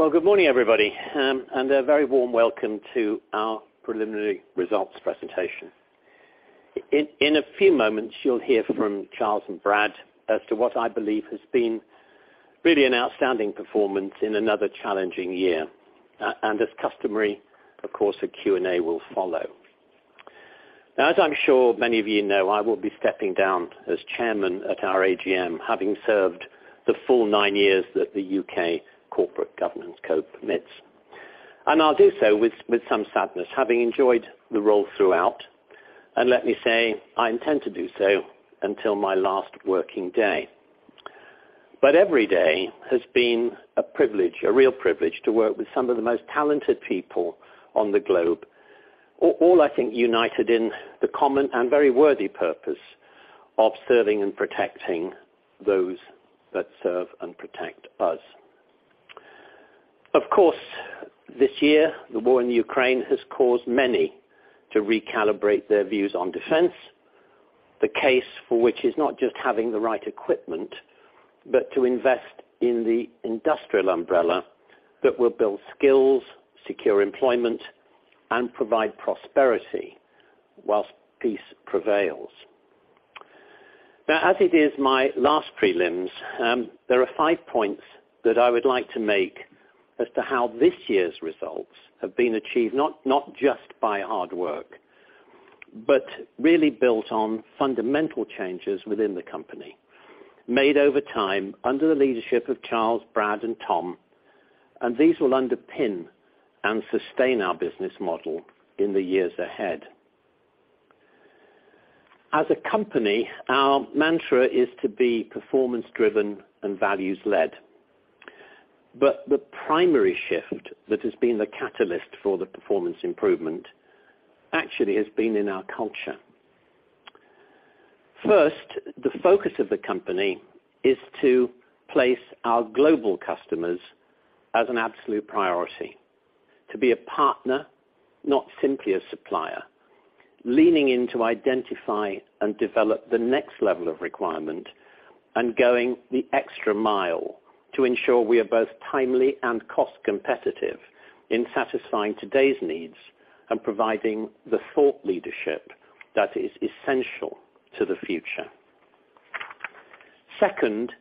Well, good morning, everybody, a very warm welcome to our preliminary results presentation. In a few moments, you'll hear from Charles and Brad as to what I believe has been really an outstanding performance in another challenging year. As customary, of course, a Q&A will follow. As I'm sure many of you know, I will be stepping down as chairman at our AGM, having served the full nine years that the UK Corporate Governance Code permits. I'll do so with some sadness, having enjoyed the role throughout, let me say I intend to do so until my last working day. Every day has been a privilege, a real privilege to work with some of the most talented people on the globe, all, I think, united in the common and very worthy purpose of serving and protecting those that serve and protect us. Of course, this year, the war in Ukraine has caused many to recalibrate their views on defense. The case for which is not just having the right equipment, but to invest in the industrial umbrella that will build skills, secure employment and provide prosperity while peace prevails. As it is my last prelims, there are five points that I would like to make as to how this year's results have been achieved, not just by hard work, but really built on fundamental changes within the company, made over time under the leadership of Charles, Brad, and Tom, and these will underpin and sustain our business model in the years ahead. As a company, our mantra is to be performance-driven and values-led. The primary shift that has been the catalyst for the performance improvement actually has been in our culture. First, the focus of the company is to place our global customers as an absolute priority. To be a partner, not simply a supplier. Leaning in to identify and develop the next level of requirement and going the extra mile to ensure we are both timely and cost-competitive in satisfying today's needs and providing the thought leadership that is essential to the future. Second,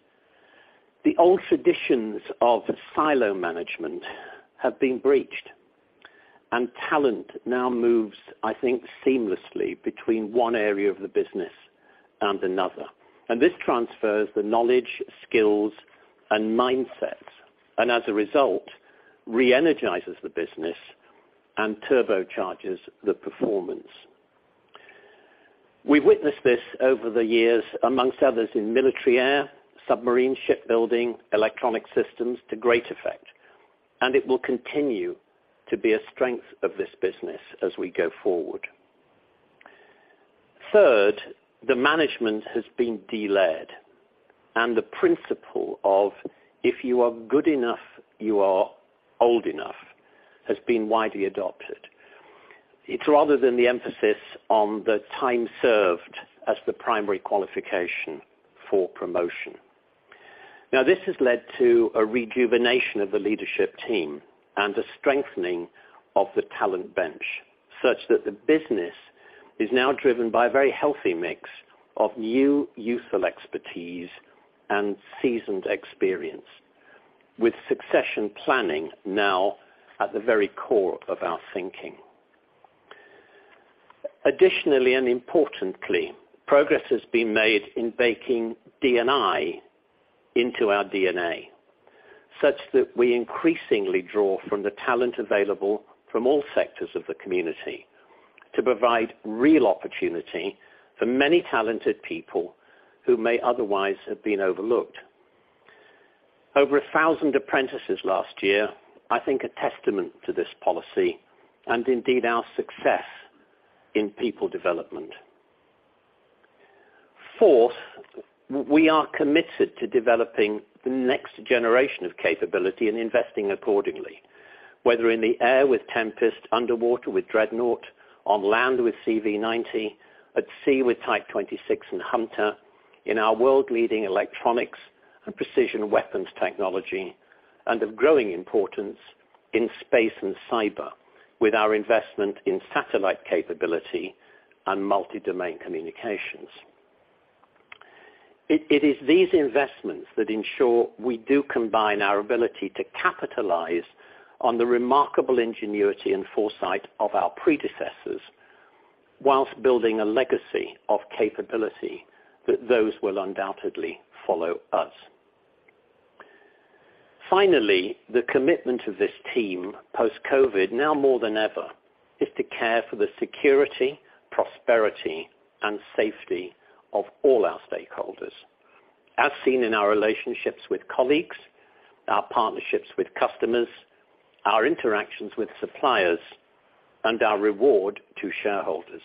the old traditions of silo management have been breached, and talent now moves, I think, seamlessly between one area of the business and another. This transfers the knowledge, skills, and mindsets, and as a result, reenergizes the business and turbocharges the performance. We've witnessed this over the years, amongst others, in military air, submarine shipbuilding, Electronic Systems to great effect. It will continue to be a strength of this business as we go forward. Third, the management has been de-layered. The principle of, "If you are good enough, you are old enough," has been widely adopted. It's rather than the emphasis on the time served as the primary qualification for promotion. This has led to a rejuvenation of the leadership team and a strengthening of the talent bench, such that the business is now driven by a very healthy mix of new, youthful expertise and seasoned experience with succession planning now at the very core of our thinking. Progress has been made in baking DE&I into our D&A, such that we increasingly draw from the talent available from all sectors of the community to provide real opportunity for many talented people who may otherwise have been overlooked. Over 1,000 apprentices last year, I think a testament to this policy and indeed our success in people development. Fourth, we are committed to developing the next generation of capability and investing accordingly, whether in the air with Tempest, underwater with Dreadnought, on land with CV90, at sea with Type 26 and Hunter, in our world-leading electronics and precision weapons technology, and of growing importance in space and cyber with our investment in satellite capability and multi-domain communications. It is these investments that ensure we do combine our ability to capitalize on the remarkable ingenuity and foresight of our predecessors whilst building a legacy of capability that those will undoubtedly follow us. Finally, the commitment of this team, post-COVID, now more than ever, is to care for the security, prosperity, and safety of all our stakeholders, as seen in our relationships with colleagues, our partnerships with customers, our interactions with suppliers, and our reward to shareholders.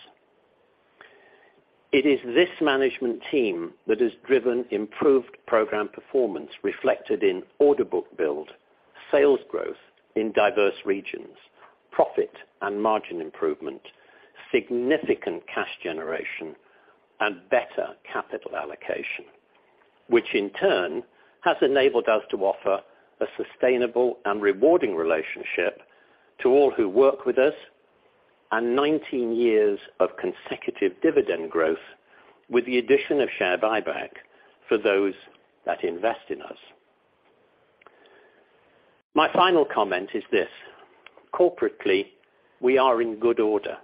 It is this management team that has driven improved program performance reflected in order book build, sales growth in diverse regions, profit and margin improvement, significant cash generation, and better capital allocation, which in turn has enabled us to offer a sustainable and rewarding relationship to all who work with us, and 19 years of consecutive dividend growth with the addition of share buyback for those that invest in us. My final comment is this. Corporately, we are in good order,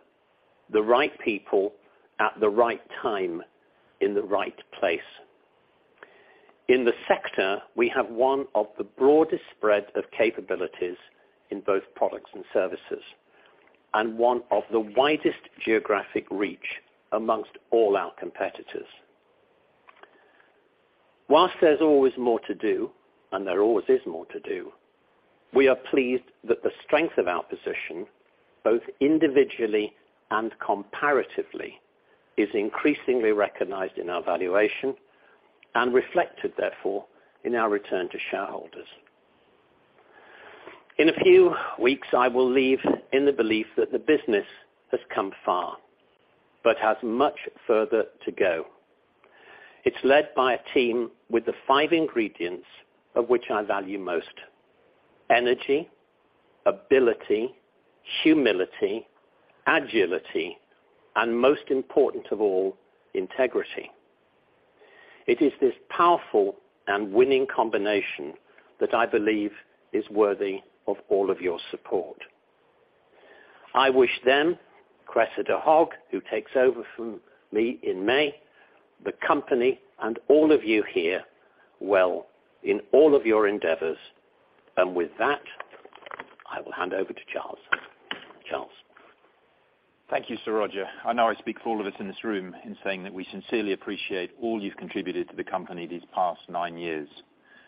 the right people at the right time in the right place. In the sector, we have one of the broadest spread of capabilities in both products and services, and one of the widest geographic reach amongst all our competitors. Whilst there's always more to do, and there always is more to do, we are pleased that the strength of our position, both individually and comparatively, is increasingly recognized in our valuation and reflected, therefore, in our return to shareholders. In a few weeks, I will leave in the belief that the business has come far, but has much further to go. It's led by a team with the five ingredients of which I value most, energy, ability, humility, agility, and most important of all, integrity. It is this powerful and winning combination that I believe is worthy of all of your support. I wish them, Cressida Hogg, who takes over from me in May, the company and all of you here well in all of your endeavors. With that, I will hand over to Charles. Charles. Thank you, Sir Roger. I know I speak for all of us in this room in saying that we sincerely appreciate all you've contributed to the company these past nine years.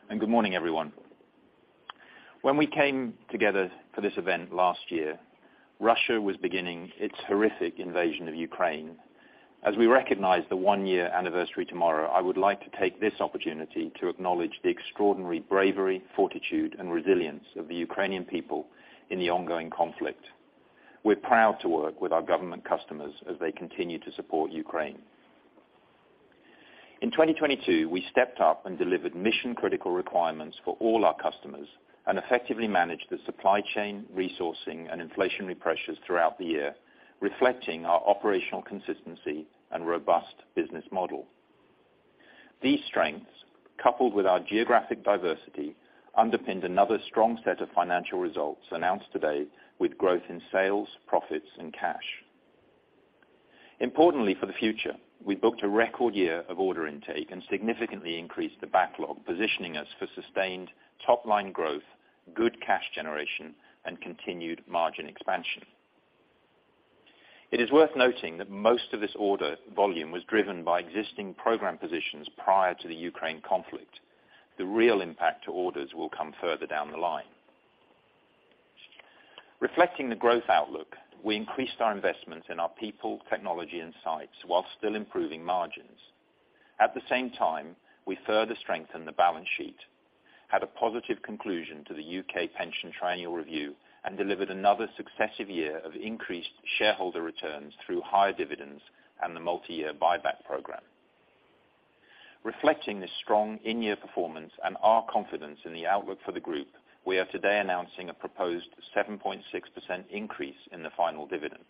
Good morning, everyone. When we came together for this event last year, Russia was beginning its horrific invasion of Ukraine. As we recognize the one year anniversary tomorrow, I would like to take this opportunity to acknowledge the extraordinary bravery, fortitude, and resilience of the Ukrainian people in the ongoing conflict. We're proud to work with our government customers as they continue to support Ukraine. In 2022, we stepped up and delivered mission-critical requirements for all our customers and effectively managed the supply chain, resourcing, and inflationary pressures throughout the year, reflecting our operational consistency and robust business model. These strengths, coupled with our geographic diversity, underpinned another strong set of financial results announced today with growth in sales, profits, and cash. Importantly for the future, we booked a record year of order intake and significantly increased the backlog, positioning us for sustained top-line growth, good cash generation, and continued margin expansion. It is worth noting that most of this order volume was driven by existing program positions prior to the Ukraine conflict. The real impact to orders will come further down the line. Reflecting the growth outlook, we increased our investments in our people, technology, and sites while still improving margins. At the same time, we further strengthened the balance sheet, had a positive conclusion to the U.K. pension triennial review, and delivered another successive year of increased shareholder returns through higher dividends and the multi-year buyback program. Reflecting this strong in-year performance and our confidence in the outlook for the group, we are today announcing a proposed 7.6% increase in the final dividend.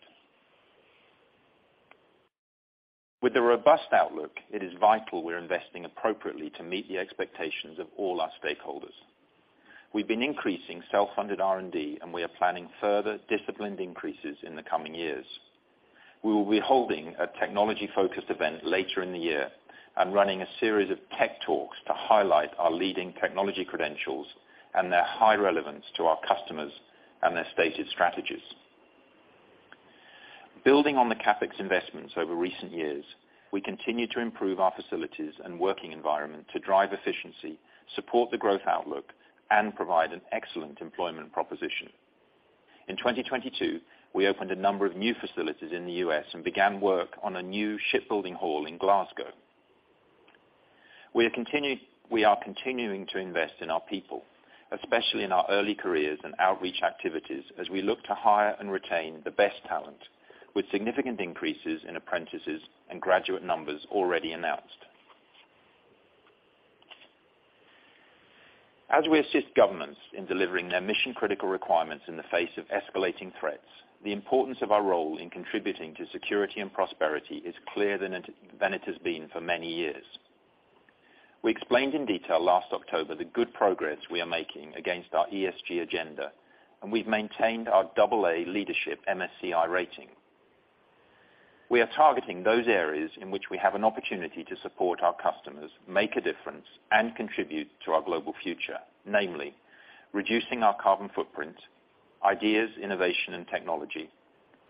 With the robust outlook, it is vital we're investing appropriately to meet the expectations of all our stakeholders. We've been increasing self-funded R&D, and we are planning further disciplined increases in the coming years. We will be holding a technology-focused event later in the year and running a series of tech talks to highlight our leading technology credentials and their high relevance to our customers and their stated strategies. Building on the CapEx investments over recent years, we continue to improve our facilities and working environment to drive efficiency, support the growth outlook, and provide an excellent employment proposition. In 2022, we opened a number of new facilities in the U.S. and began work on a new shipbuilding hall in Glasgow. We are continuing to invest in our people, especially in our early careers and outreach activities as we look to hire and retain the best talent with significant increases in apprentices and graduate numbers already announced. As we assist governments in delivering their mission-critical requirements in the face of escalating threats, the importance of our role in contributing to security and prosperity is clearer than it has been for many years. We explained in detail last October the good progress we are making against our ESG agenda, and we've maintained our AA leadership MSCI rating. We are targeting those areas in which we have an opportunity to support our customers, make a difference, and contribute to our global future, namely, reducing our carbon footprint, ideas, innovation, and technology,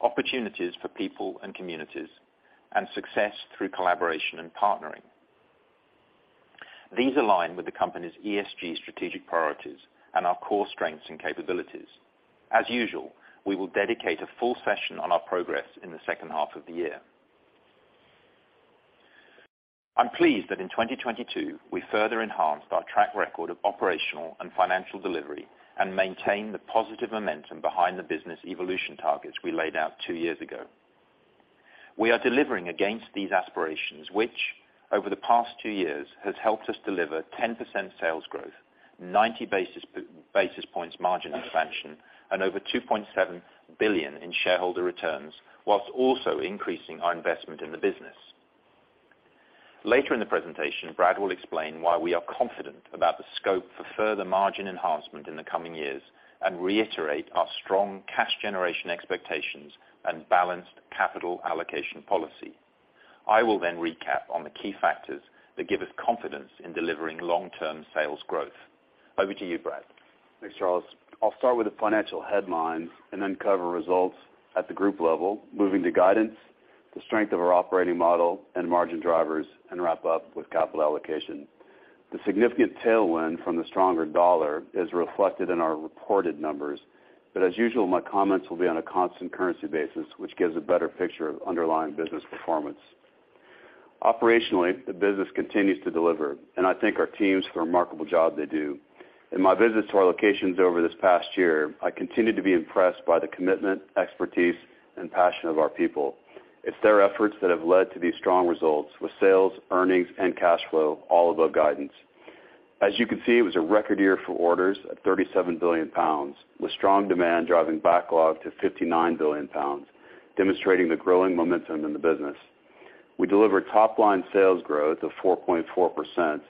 opportunities for people and communities, and success through collaboration and partnering. These align with the company's ESG strategic priorities and our core strengths and capabilities. As usual, we will dedicate a full session on our progress in the second half of the year. I'm pleased that in 2022, we further enhanced our track record of operational and financial delivery and maintained the positive momentum behind the business evolution targets we laid out two years ago. We are delivering against these aspirations, which over the past two years has helped us deliver 10% sales growth, 90 basis points margin expansion, and over 2.7 billion in shareholder returns, while also increasing our investment in the business. Later in the presentation, Brad will explain why we are confident about the scope for further margin enhancement in the coming years and reiterate our strong cash generation expectations and balanced capital allocation policy. I will then recap on the key factors that give us confidence in delivering long-term sales growth. Over to you, Brad. Thanks, Charles. I'll start with the financial headlines and then cover results at the group level, moving to guidance, the strength of our operating model and margin drivers, and wrap up with capital allocation. The significant tailwind from the stronger dollar is reflected in our reported numbers, but as usual, my comments will be on a constant currency basis, which gives a better picture of underlying business performance. Operationally, the business continues to deliver, and I thank our teams for the remarkable job they do. In my visits to our locations over this past year, I continued to be impressed by the commitment, expertise, and passion of our people. It's their efforts that have led to these strong results with sales, earnings, and cash flow all above guidance. As you can see, it was a record year for orders at 37 billion pounds, with strong demand driving backlog to 59 billion pounds, demonstrating the growing momentum in the business. We delivered top-line sales growth of 4.4%.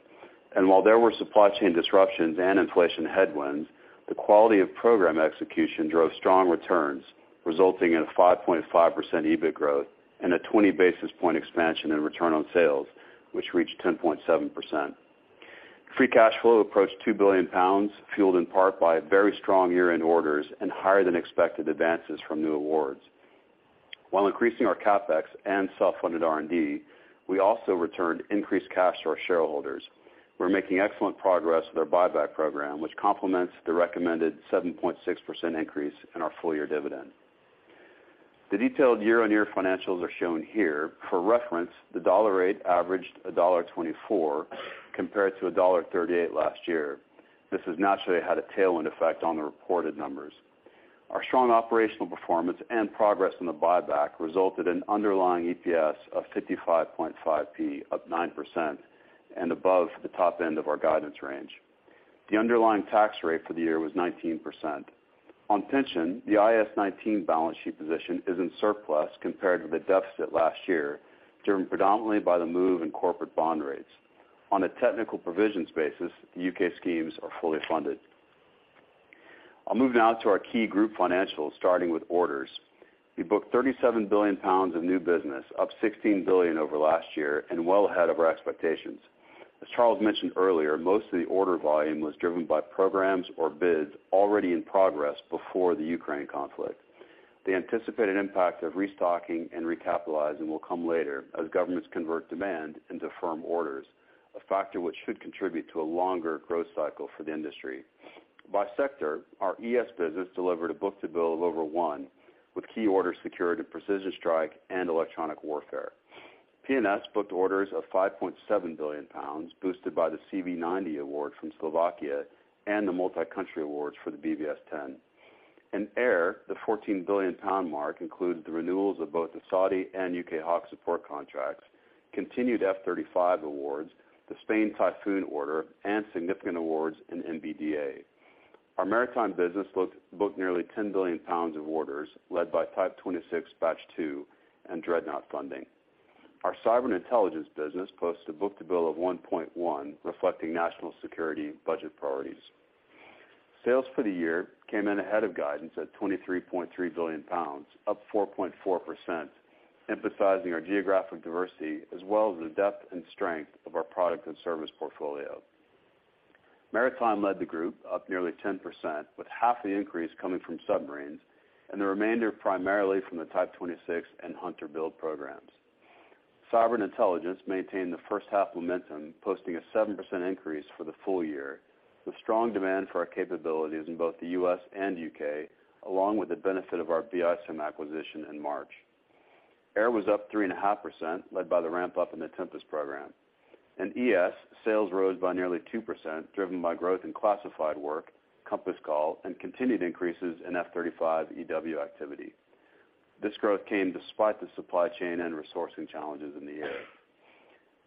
While there were supply chain disruptions and inflation headwinds, the quality of program execution drove strong returns, resulting in a 5.5% EBIT growth and a 20 basis point expansion in return on sales, which reached 10.7%. Free cash flow approached 2 billion pounds, fueled in part by a very strong year-end orders and higher than expected advances from new awards. While increasing our CapEx and self-funded R&D, we also returned increased cash to our shareholders. We're making excellent progress with our buyback program, which complements the recommended 7.6% increase in our full year dividend. The detailed year-on-year financials are shown here. For reference, the dollar rate averaged $1.24 compared to $1.38 last year. This has naturally had a tailwind effect on the reported numbers. Our strong operational performance and progress on the buyback resulted in underlying EPS of 55.5p, up 9% and above the top end of our guidance range. The underlying tax rate for the year was 19%. On pension, the IAS 19 balance sheet position is in surplus compared with a deficit last year, driven predominantly by the move in corporate bond rates. On a technical provisions basis, U.K. schemes are fully funded. I'll move now to our key group financials, starting with orders. We booked 37 billion pounds of new business, up 16 billion over last year and well ahead of our expectations. As Charles mentioned earlier, most of the order volume was driven by programs or bids already in progress before the Ukraine conflict. The anticipated impact of restocking and recapitalizing will come later as governments convert demand into firm orders, a factor which should contribute to a longer growth cycle for the industry. By sector, our ES business delivered a book-to-bill of over one with key orders secured in precision strike and electronic warfare. P&S booked orders of 5.7 billion pounds, boosted by the CV90 award from Slovakia and the multi-country awards for the BvS10. In Air, the 14 billion pound mark includes the renewals of both the Saudi and U.K. Hawk support contracts, continued F-35 awards, the Spain Typhoon order, and significant awards in MBDA. Our maritime business booked nearly 10 billion pounds of orders, led by Type 26 Batch 2 and Dreadnought funding. Our sovereign intelligence business posted a book-to-bill of 1.1, reflecting national security budget priorities. Sales for the year came in ahead of guidance at 23.3 billion pounds, up 4.4%, emphasizing our geographic diversity as well as the depth and strength of our product and service portfolio. Maritime led the group, up nearly 10%, with half the increase coming from submarines and the remainder primarily from the Type 26 and Hunter build programs. Sovereign intelligence maintained the first half momentum, posting a 7% increase for the full year, with strong demand for our capabilities in both the U.S. and U.K., along with the benefit of our BISim acquisition in March. Air was up 3.5%, led by the ramp-up in the Tempest program. In ES, sales rose by nearly 2%, driven by growth in classified work, Compass Call, and continued increases in F-35 EW activity. This growth came despite the supply chain and resourcing challenges in the year.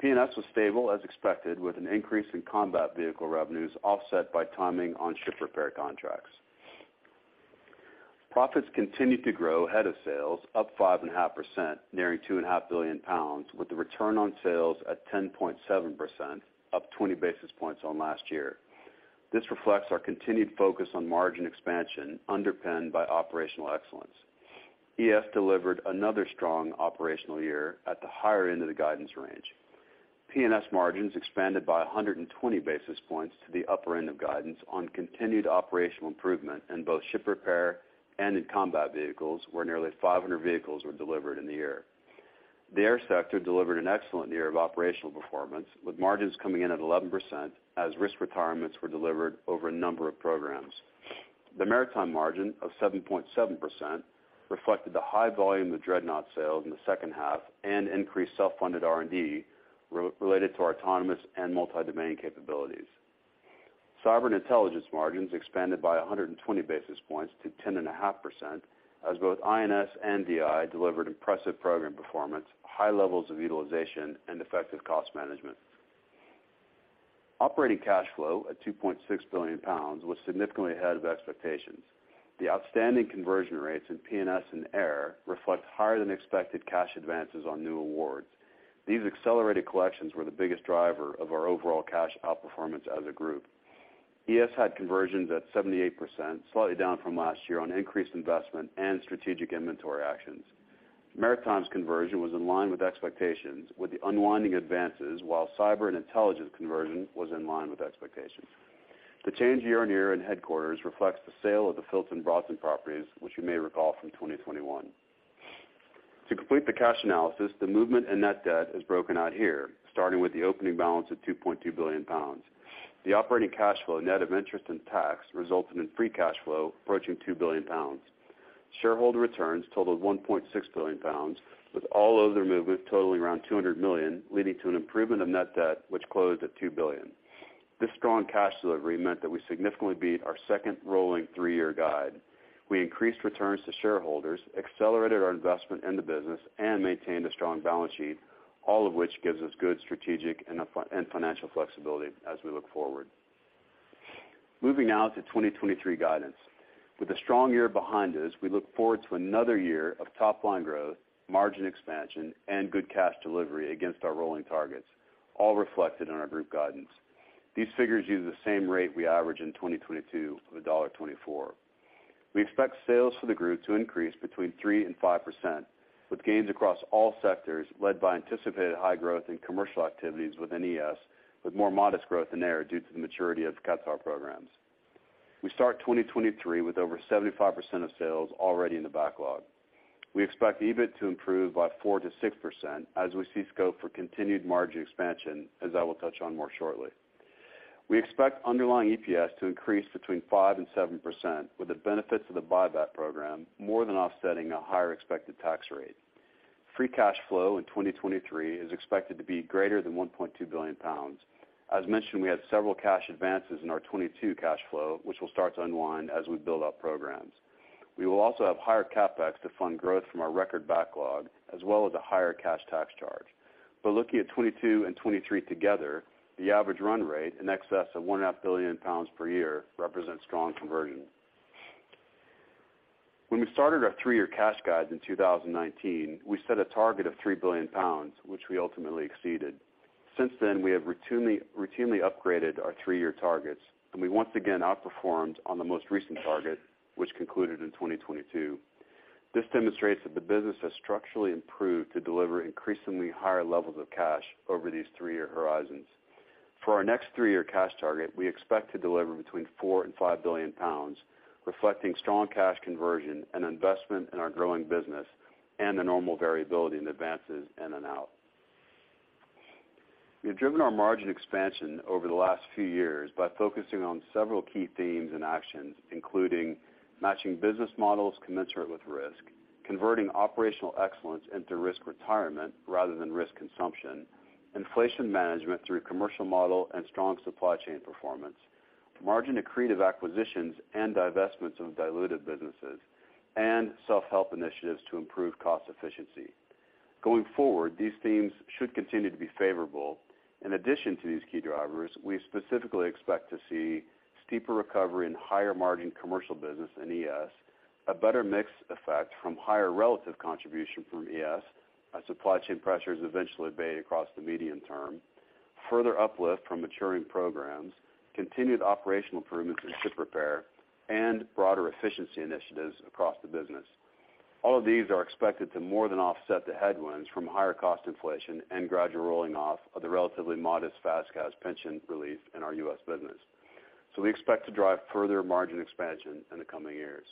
P&S was stable as expected, with an increase in combat vehicle revenues offset by timing on ship repair contracts. Profits continued to grow ahead of sales, up 5.5%, nearing 2.5 billion pounds, with the return on sales at 10.7%, up 20 basis points on last year. This reflects our continued focus on margin expansion underpinned by operational excellence. ES delivered another strong operational year at the higher end of the guidance range. P&S margins expanded by 120 basis points to the upper end of guidance on continued operational improvement in both ship repair and in combat vehicles, where nearly 500 vehicles were delivered in the year. The Air sector delivered an excellent year of operational performance, with margins coming in at 11% as risk retirements were delivered over a number of programs. The Maritime margin of 7.7% reflected the high volume of Dreadnought sales in the second half and increased self-funded R&D related to our autonomous and multi-domain capabilities. Cyber and Intelligence margins expanded by 120 basis points to 10.5% as both I&S and DI delivered impressive program performance, high levels of utilization, and effective cost management. Operating cash flow at 2.6 billion pounds was significantly ahead of expectations. The outstanding conversion rates in P&S and air reflect higher than expected cash advances on new awards. These accelerated collections were the biggest driver of our overall cash outperformance as a group. ES had conversions at 78%, slightly down from last year on increased investment and strategic inventory actions. Maritime's conversion was in line with expectations with the unwinding advances, while cyber and intelligence conversion was in line with expectations. The change year and year in headquarters reflects the sale of the Filton and Broughton properties, which you may recall from 2021. To complete the cash analysis, the movement in net debt is broken out here, starting with the opening balance of 2.2 billion pounds. The operating cash flow, net of interest and tax, resulted in free cash flow approaching 2 billion pounds. Shareholder returns totaled 1.6 billion pounds, with all other movements totaling around 200 million, leading to an improvement of net debt, which closed at 2 billion. This strong cash delivery meant that we significantly beat our second rolling three year guide. We increased returns to shareholders, accelerated our investment in the business, and maintained a strong balance sheet, all of which gives us good strategic and financial flexibility as we look forward. Moving now to 2023 guidance. With a strong year behind us, we look forward to another year of top line growth, margin expansion, and good cash delivery against our rolling targets, all reflected in our group guidance. These figures use the same rate we averaged in 2022 of $1.24. We expect sales for the group to increase between 3% and 5%, with gains across all sectors led by anticipated high growth in commercial activities within ES, with more modest growth in air due to the maturity of Qatar programs. We start 2023 with over 75% of sales already in the backlog. We expect EBIT to improve by 4%-6% as we see scope for continued margin expansion, as I will touch on more shortly. We expect underlying EPS to increase between 5% and 7% with the benefits of the buyback program more than offsetting a higher expected tax rate. Free cash flow in 2023 is expected to be greater than 1.2 billion pounds. As mentioned, we had several cash advances in our 2022 cash flow, which will start to unwind as we build out programs. We will also have higher CapEx to fund growth from our record backlog, as well as a higher cash tax charge. Looking at 2022 and 2023 together, the average run rate in excess of 1.5 billion pounds per year represents strong conversion. When we started our three year cash guide in 2019, we set a target of 3 billion pounds, which we ultimately exceeded. Since then, we have routinely upgraded our three year targets, and we once again outperformed on the most recent target, which concluded in 2022. This demonstrates that the business has structurally improved to deliver increasingly higher levels of cash over these three year horizons. For our next three year cash target, we expect to deliver between 4 billion-5 billion pounds, reflecting strong cash conversion and investment in our growing business and the normal variability in advances in and out. We have driven our margin expansion over the last few years by focusing on several key themes and actions, including matching business models commensurate with risk, converting operational excellence into risk retirement rather than risk consumption, inflation management through commercial model and strong supply chain performance, margin-accretive acquisitions and divestments of diluted businesses, and self-help initiatives to improve cost efficiency. Going forward, these themes should continue to be favorable. In addition to these key drivers, we specifically expect to see steeper recovery in higher margin commercial business in ES, a better mix effect from higher relative contribution from ES as supply chain pressures eventually abate across the medium term, further uplift from maturing programs, continued operational improvements in ship repair, and broader efficiency initiatives across the business. All of these are expected to more than offset the headwinds from higher cost inflation and gradual rolling off of the relatively modest FAS/CAS pension relief in our U.S. business. We expect to drive further margin expansion in the coming years.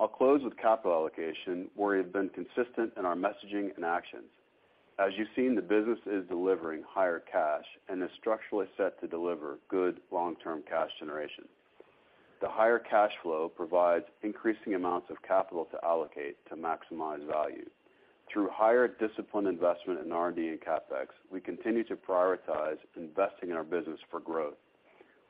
I'll close with capital allocation, where we have been consistent in our messaging and actions. As you've seen, the business is delivering higher cash and is structurally set to deliver good long-term cash generation. The higher cash flow provides increasing amounts of capital to allocate to maximize value. Through higher disciplined investment in R&D and CapEx, we continue to prioritize investing in our business for growth.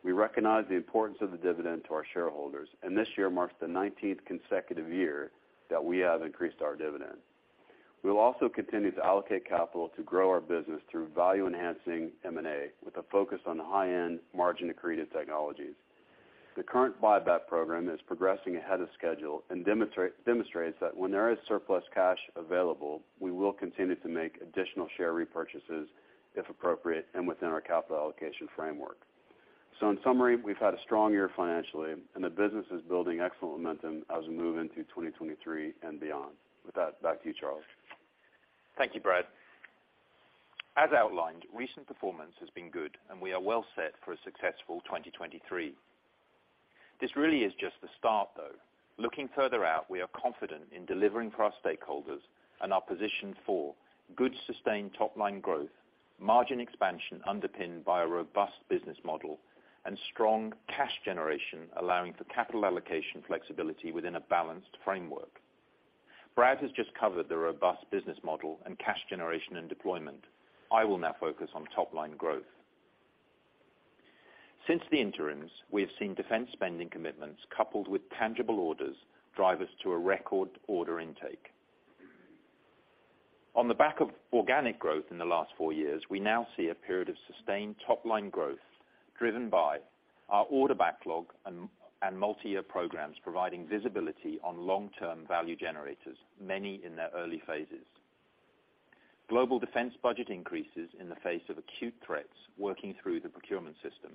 We recognize the importance of the dividend to our shareholders, and this year marks the 19th consecutive year that we have increased our dividend. We will also continue to allocate capital to grow our business through value-enhancing M&A with a focus on the high-end margin-accretive technologies. The current buyback program is progressing ahead of schedule and demonstrates that when there is surplus cash available, we will continue to make additional share repurchases if appropriate and within our capital allocation framework. In summary, we've had a strong year financially and the business is building excellent momentum as we move into 2023 and beyond. With that, back to you, Charles. Thank you, Brad. As outlined, recent performance has been good and we are well set for a successful 2023. This really is just the start though. Looking further out, we are confident in delivering for our stakeholders and are positioned for good sustained top-line growth, margin expansion underpinned by a robust business model and strong cash generation, allowing for capital allocation flexibility within a balanced framework. Brad has just covered the robust business model and cash generation and deployment. I will now focus on top-line growth. Since the interims, we have seen defense spending commitments coupled with tangible orders drive us to a record order intake. On the back of organic growth in the last four years, we now see a period of sustained top-line growth, driven by our order backlog and multi-year programs providing visibility on long-term value generators, many in their early phases. Global defense budget increases in the face of acute threats, working through the procurement system.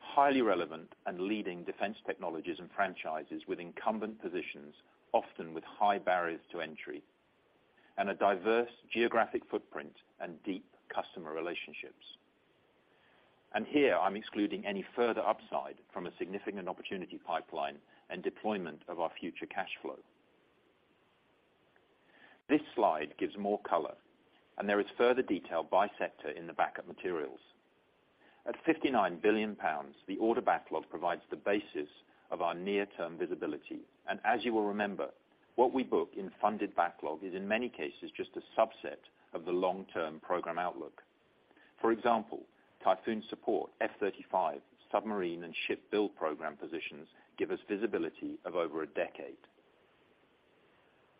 Highly relevant and leading defense technologies and franchises with incumbent positions, often with high barriers to entry, and a diverse geographic footprint and deep customer relationships. Here, I'm excluding any further upside from a significant opportunity pipeline and deployment of our future cash flow. This slide gives more color, and there is further detail by sector in the backup materials. At 59 billion pounds, the order backlog provides the basis of our near-term visibility. As you will remember, what we book in funded backlog is in many cases just a subset of the long-term program outlook. For example, Typhoon support, F-35, submarine and ship build program positions give us visibility of over a decade.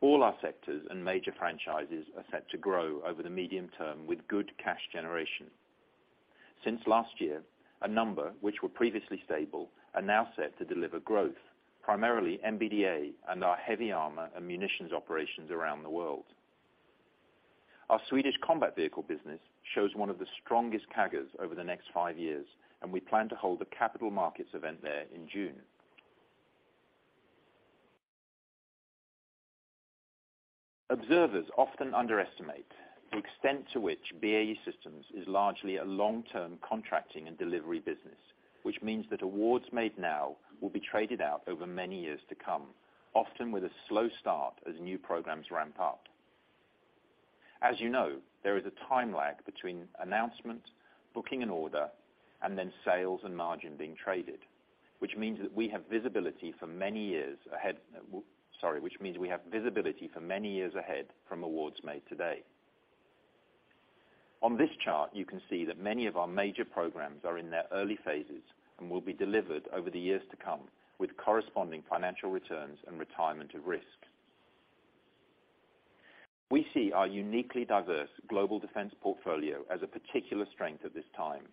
All our sectors and major franchises are set to grow over the medium-term with good cash generation. Since last year, a number which were previously stable are now set to deliver growth, primarily MBDA and our heavy armor and munitions operations around the world. Our Swedish combat vehicle business shows one of the strongest CAGRs over the next five years, and we plan to hold a capital markets event there in June. Observers often underestimate the extent to which BAE Systems is largely a long-term contracting and delivery business, which means that awards made now will be traded out over many years to come, often with a slow start as new programs ramp up. As you know, there is a time lag between announcement, booking an order, and then sales and margin being traded, which means that we have visibility for many years ahead. Which means we have visibility for many years ahead from awards made today. On this chart, you can see that many of our major programs are in their early phases and will be delivered over the years to come, with corresponding financial returns and retirement of risk. We see our uniquely diverse global defense portfolio as a particular strength at this time,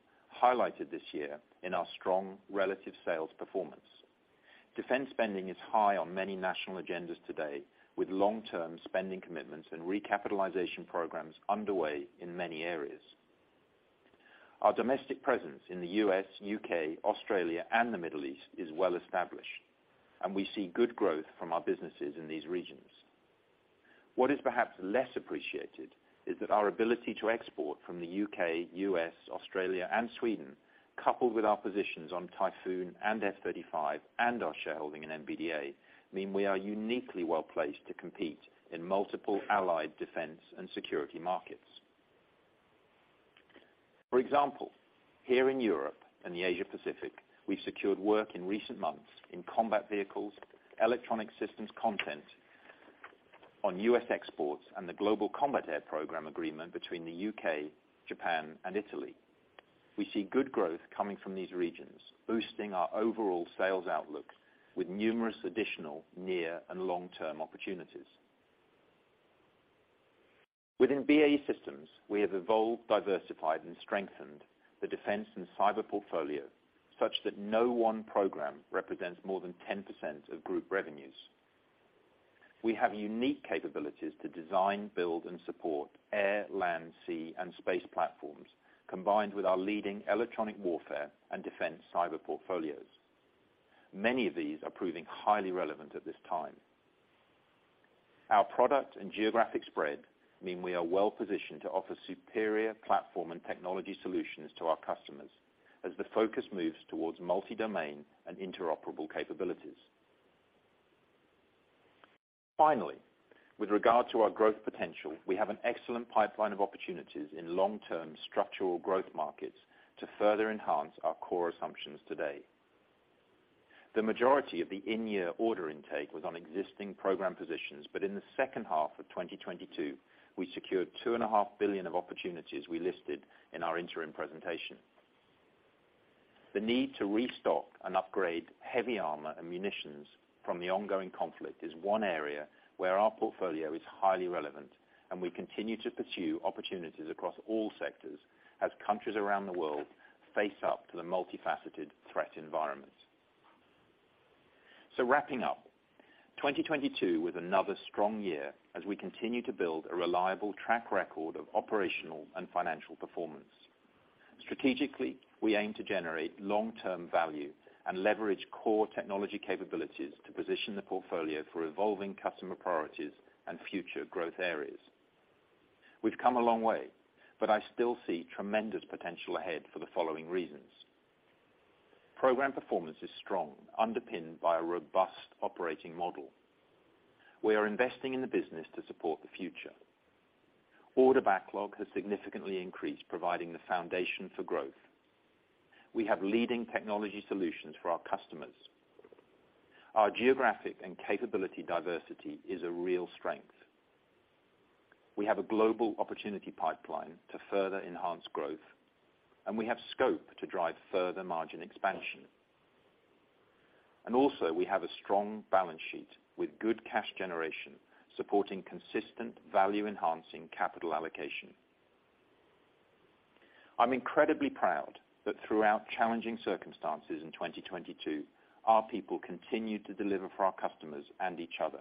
highlighted this year in our strong relative sales performance. Defense spending is high on many national agendas today, with long-term spending commitments and recapitalization programs underway in many areas. Our domestic presence in the U.S., U.K., Australia and the Middle East is well established, and we see good growth from our businesses in these regions. What is perhaps less appreciated is that our ability to export from the U.K., U.S., Australia and Sweden, coupled with our positions on Typhoon and F-35 and our shareholding in MBDA, mean we are uniquely well-placed to compete in multiple allied defense and security markets. For example, here in Europe and the Asia Pacific, we've secured work in recent months in combat vehicles, electronic systems content on U.S. exports, and the Global Combat Air Programme agreement between the U.K., Japan and Italy. We see good growth coming from these regions, boosting our overall sales outlook with numerous additional near and long-term opportunities. Within BAE Systems, we have evolved, diversified, and strengthened the defense and cyber portfolio such that no one program represents more than 10% of group revenues. We have unique capabilities to design, build, and support air, land, sea, and space platforms, combined with our leading electronic warfare and defense cyber portfolios. Many of these are proving highly relevant at this time. Our product and geographic spread mean we are well-positioned to offer superior platform and technology solutions to our customers as the focus moves towards multi-domain and interoperable capabilities. Finally, with regard to our growth potential, we have an excellent pipeline of opportunities in long-term structural growth markets to further enhance our core assumptions today. The majority of the in-year order intake was on existing program positions, but in the second half of 2022, we secured 2.5 Billion of opportunities we listed in our interim presentation. The need to restock and upgrade heavy armor and munitions from the ongoing conflict is one area where our portfolio is highly relevant, and we continue to pursue opportunities across all sectors as countries around the world face up to the multifaceted threat environments. Wrapping up, 2022 was another strong year as we continue to build a reliable track record of operational and financial performance. Strategically, we aim to generate long-term value and leverage core technology capabilities to position the portfolio for evolving customer priorities and future growth areas. We've come a long way. I still see tremendous potential ahead for the following reasons. Program performance is strong, underpinned by a robust operating model. We are investing in the business to support the future. Order backlog has significantly increased, providing the foundation for growth. We have leading technology solutions for our customers. Our geographic and capability diversity is a real strength. We have a global opportunity pipeline to further enhance growth. We have scope to drive further margin expansion. We have a strong balance sheet with good cash generation, supporting consistent value-enhancing capital allocation. I'm incredibly proud that throughout challenging circumstances in 2022, our people continued to deliver for our customers and each other.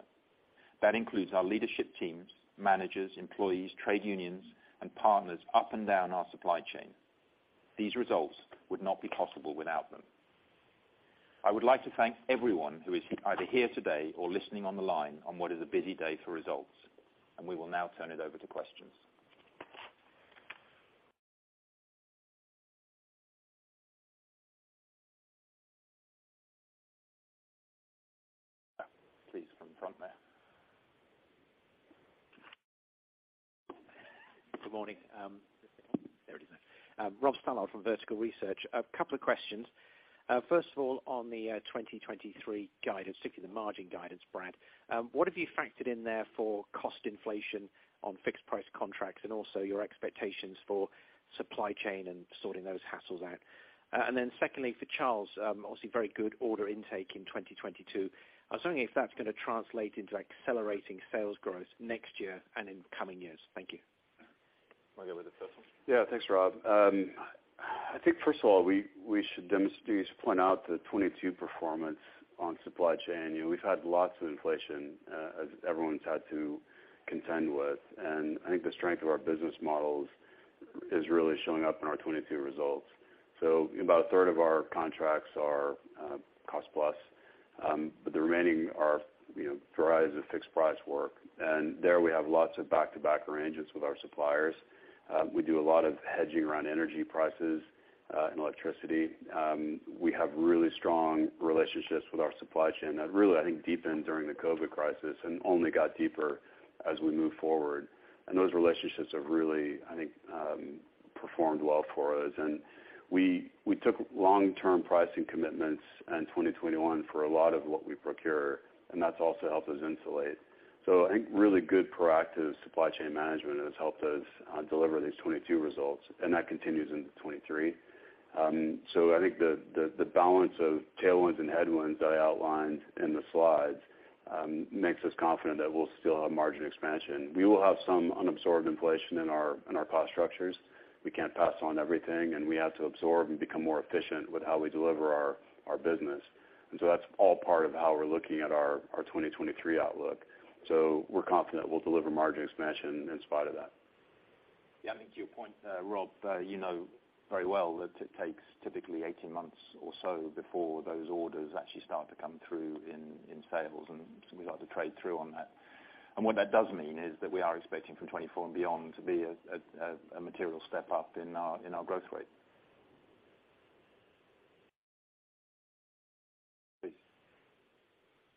That includes our leadership teams, managers, employees, trade unions, and partners up and down our supply chain. These results would not be possible without them. I would like to thank everyone who is either here today or listening on the line on what is a busy day for results. We will now turn it over to questions. Please, from the front there. Good morning. There it is. Rob Stallard from Vertical Research. A couple of questions. First of all, on the 2023 guidance, particularly the margin guidance, Brad, what have you factored in there for cost inflation on fixed price contracts and also your expectations for supply chain and sorting those hassles out? Secondly, for Charles, obviously very good order intake in 2022. I was wondering if that's gonna translate into accelerating sales growth next year and in coming years? Thank you. Want to go with this, Charles? Yeah. Thanks, Rob. I think first of all, we should demonstrate, point out the 2022 performance on supply chain. You know, we've had lots of inflation as everyone's had to contend with. I think the strength of our business models is really showing up in our 2022 results. About a third of our contracts are cost-plus, but the remaining are, you know, derives of fixed price work. There we have lots of back-to-back arrangements with our suppliers. We do a lot of hedging around energy prices and electricity. We have really strong relationships with our supply chain that really, I think, deepened during the COVID crisis and only got deeper as we moved forward. Those relationships have really, I think, performed well for us. We took long-term pricing commitments in 2021 for a lot of what we procure, and that's also helped us insulate. I think really good proactive supply chain management has helped us deliver these 2022 results, and that continues into 2023. I think the balance of tailwinds and headwinds that I outlined in the slides makes us confident that we'll still have margin expansion. We will have some unabsorbed inflation in our cost structures. We can't pass on everything, and we have to absorb and become more efficient with how we deliver our business. That's all part of how we're looking at our 2023 outlook. We're confident we'll deliver margin expansion in spite of that. Yeah. I think to your point, Rob, you know very well that it takes typically 18 months or so before those orders actually start to come through in sales. We've had to trade through on that. What that does mean is that we are expecting from 2024 and beyond to be a material step up in our, in our growth rate.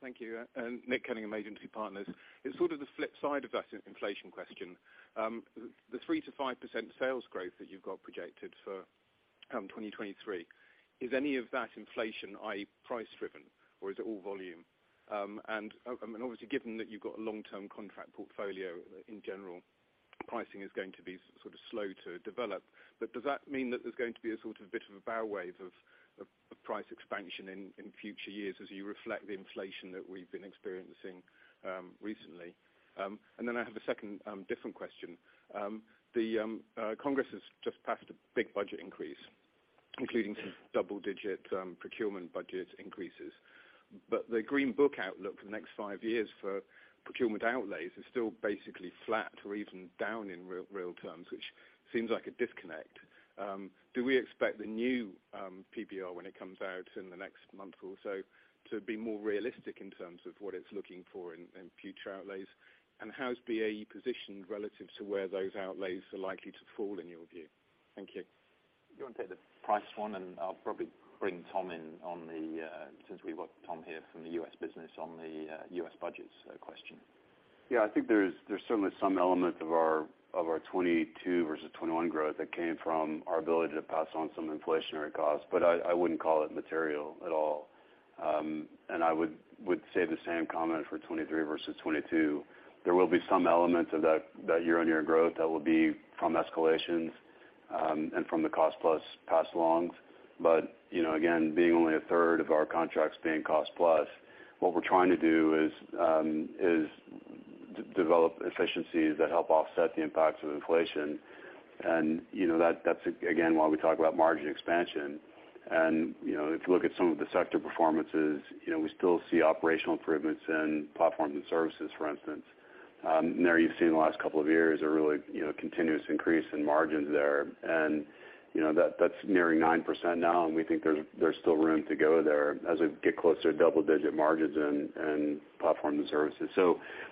Please. Thank you. Nick Cunningham of Agency Partners. It's sort of the flip side of that in-inflation question. The 3%-5% sales growth that you've got projected for 2023, is any of that inflation, i.e., price driven, or is it all volume? Obviously, given that you've got a long-term contract portfolio in general, pricing is going to be sort of slow to develop. Does that mean that there's going to be a sort of bit of a bow wave of price expansion in future years as you reflect the inflation that we've been experiencing recently? I have a second, different question. The United States Congress has just passed a big budget increase, including some double-digit procurement budget increases. The Green Book outlook for the next five years for procurement outlays is still basically flat or even down in real terms, which seems like a disconnect. Do we expect the new PBR, when it comes out in the next month or so, to be more realistic in terms of what it's looking for in future outlays? How is BAE positioned relative to where those outlays are likely to fall in your view? Thank you. You want to take the price one, and I'll probably bring Tom in on the, since we've got Tom here from the U.S. business, on the, U.S. budgets, question. Yeah. I think there's certainly some element of our, of our 2022 versus 2021 growth that came from our ability to pass on some inflationary costs, but I wouldn't call it material at all. I would say the same comment for 2023 versus 2022. There will be some element of that year-on-year growth that will be from escalations and from the cost plus pass alongs. You know, again, being only a third of our contracts being cost plus, what we're trying to do is de-develop efficiencies that help offset the impacts of inflation. You know, that's, again, why we talk about margin expansion. You know, if you look at some of the sector performances, you know, we still see operational improvements in platforms and services, for instance. There you've seen in the last couple of years a really, you know, continuous increase in margins there. That's nearing 9% now, and we think there's still room to go there as we get closer to double-digit margins in platform to services.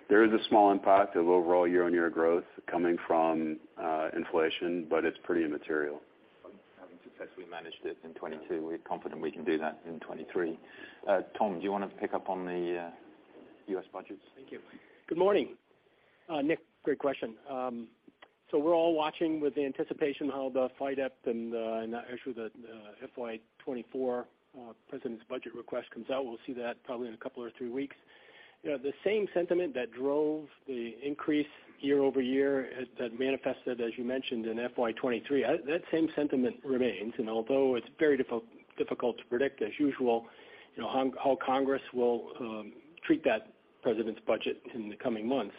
There is a small impact of overall year-on-year growth coming from inflation, but it's pretty immaterial. As we managed it in 2022, we're confident we can do that in 2023. Tom, do you wanna pick up on the U.S. budgets? Thank you. Good morning. Nick, great question. We're all watching with the anticipation how the FYDP and actually the FY 2024 president's budget request comes out. We'll see that probably in two or three weeks. You know, the same sentiment that drove the increase year-over-year has manifested, as you mentioned, in FY 2023. That same sentiment remains. Although it's very difficult to predict, as usual, you know, how Congress will treat that president's budget in the coming months,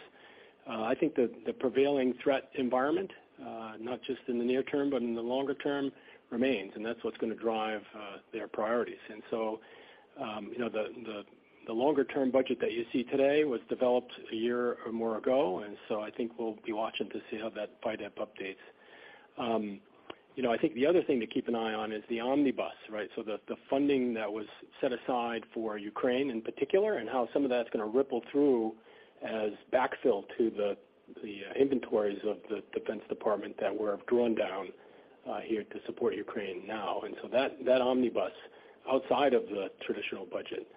I think the prevailing threat environment, not just in the near term, but in the longer term remains, and that's what's gonna drive their priorities. You know, the longer term budget that you see today was developed a year or more ago, and so I think we'll be watching to see how that FYDP updates. You know, I think the other thing to keep an eye on is the omnibus, right? The funding that was set aside for Ukraine in particular, and how some of that's gonna ripple through as backfill to the inventories of the defense department that were drawn down here to support Ukraine now. That omnibus outside of the traditional budget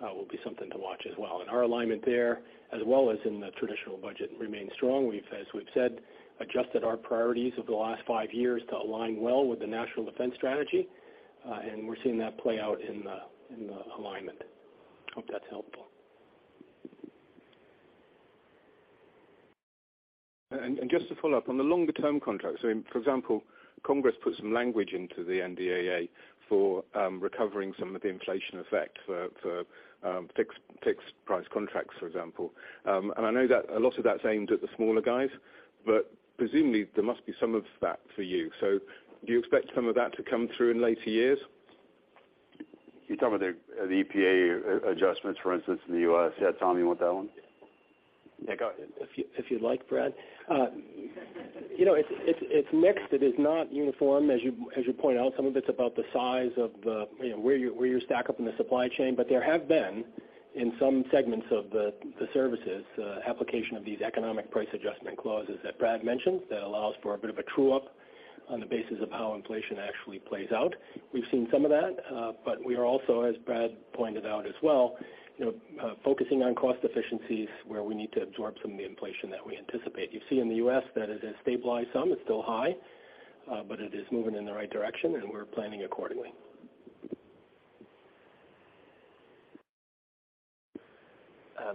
will be something to watch as well. Our alignment there, as well as in the traditional budget remains strong. We've, as we've said, adjusted our priorities over the last five years to align well with the National Defense Strategy, and we're seeing that play out in the, in the alignment. Hope that's helpful. Just to follow up, on the longer term contracts, so for example, Congress put some language into the NDAA for recovering some of the inflation effect for fixed price contracts, for example. I know that a lot of that's aimed at the smaller guys, but presumably there must be some of that for you. Do you expect some of that to come through in later years? You're talking about the EPA adjustments, for instance, in the U.S. Yeah, Tom, you want that one? Yeah, go ahead. If you, if you'd like, Brad. You know, it's, it's mixed. It is not uniform, as you, as you point out, some of it's about the size of the, you know, where you stack up in the supply chain. But there have been, in some segments of the services, application of these Economic Price Adjustment clauses that Brad mentioned, that allows for a bit of a true up on the basis of how inflation actually plays out. We've seen some of that, but we are also, as Brad pointed out as well, you know, focusing on cost efficiencies where we need to absorb some of the inflation that we anticipate. You see in the U.S. that it has stabilized some. It's still high, but it is moving in the right direction and we're planning accordingly.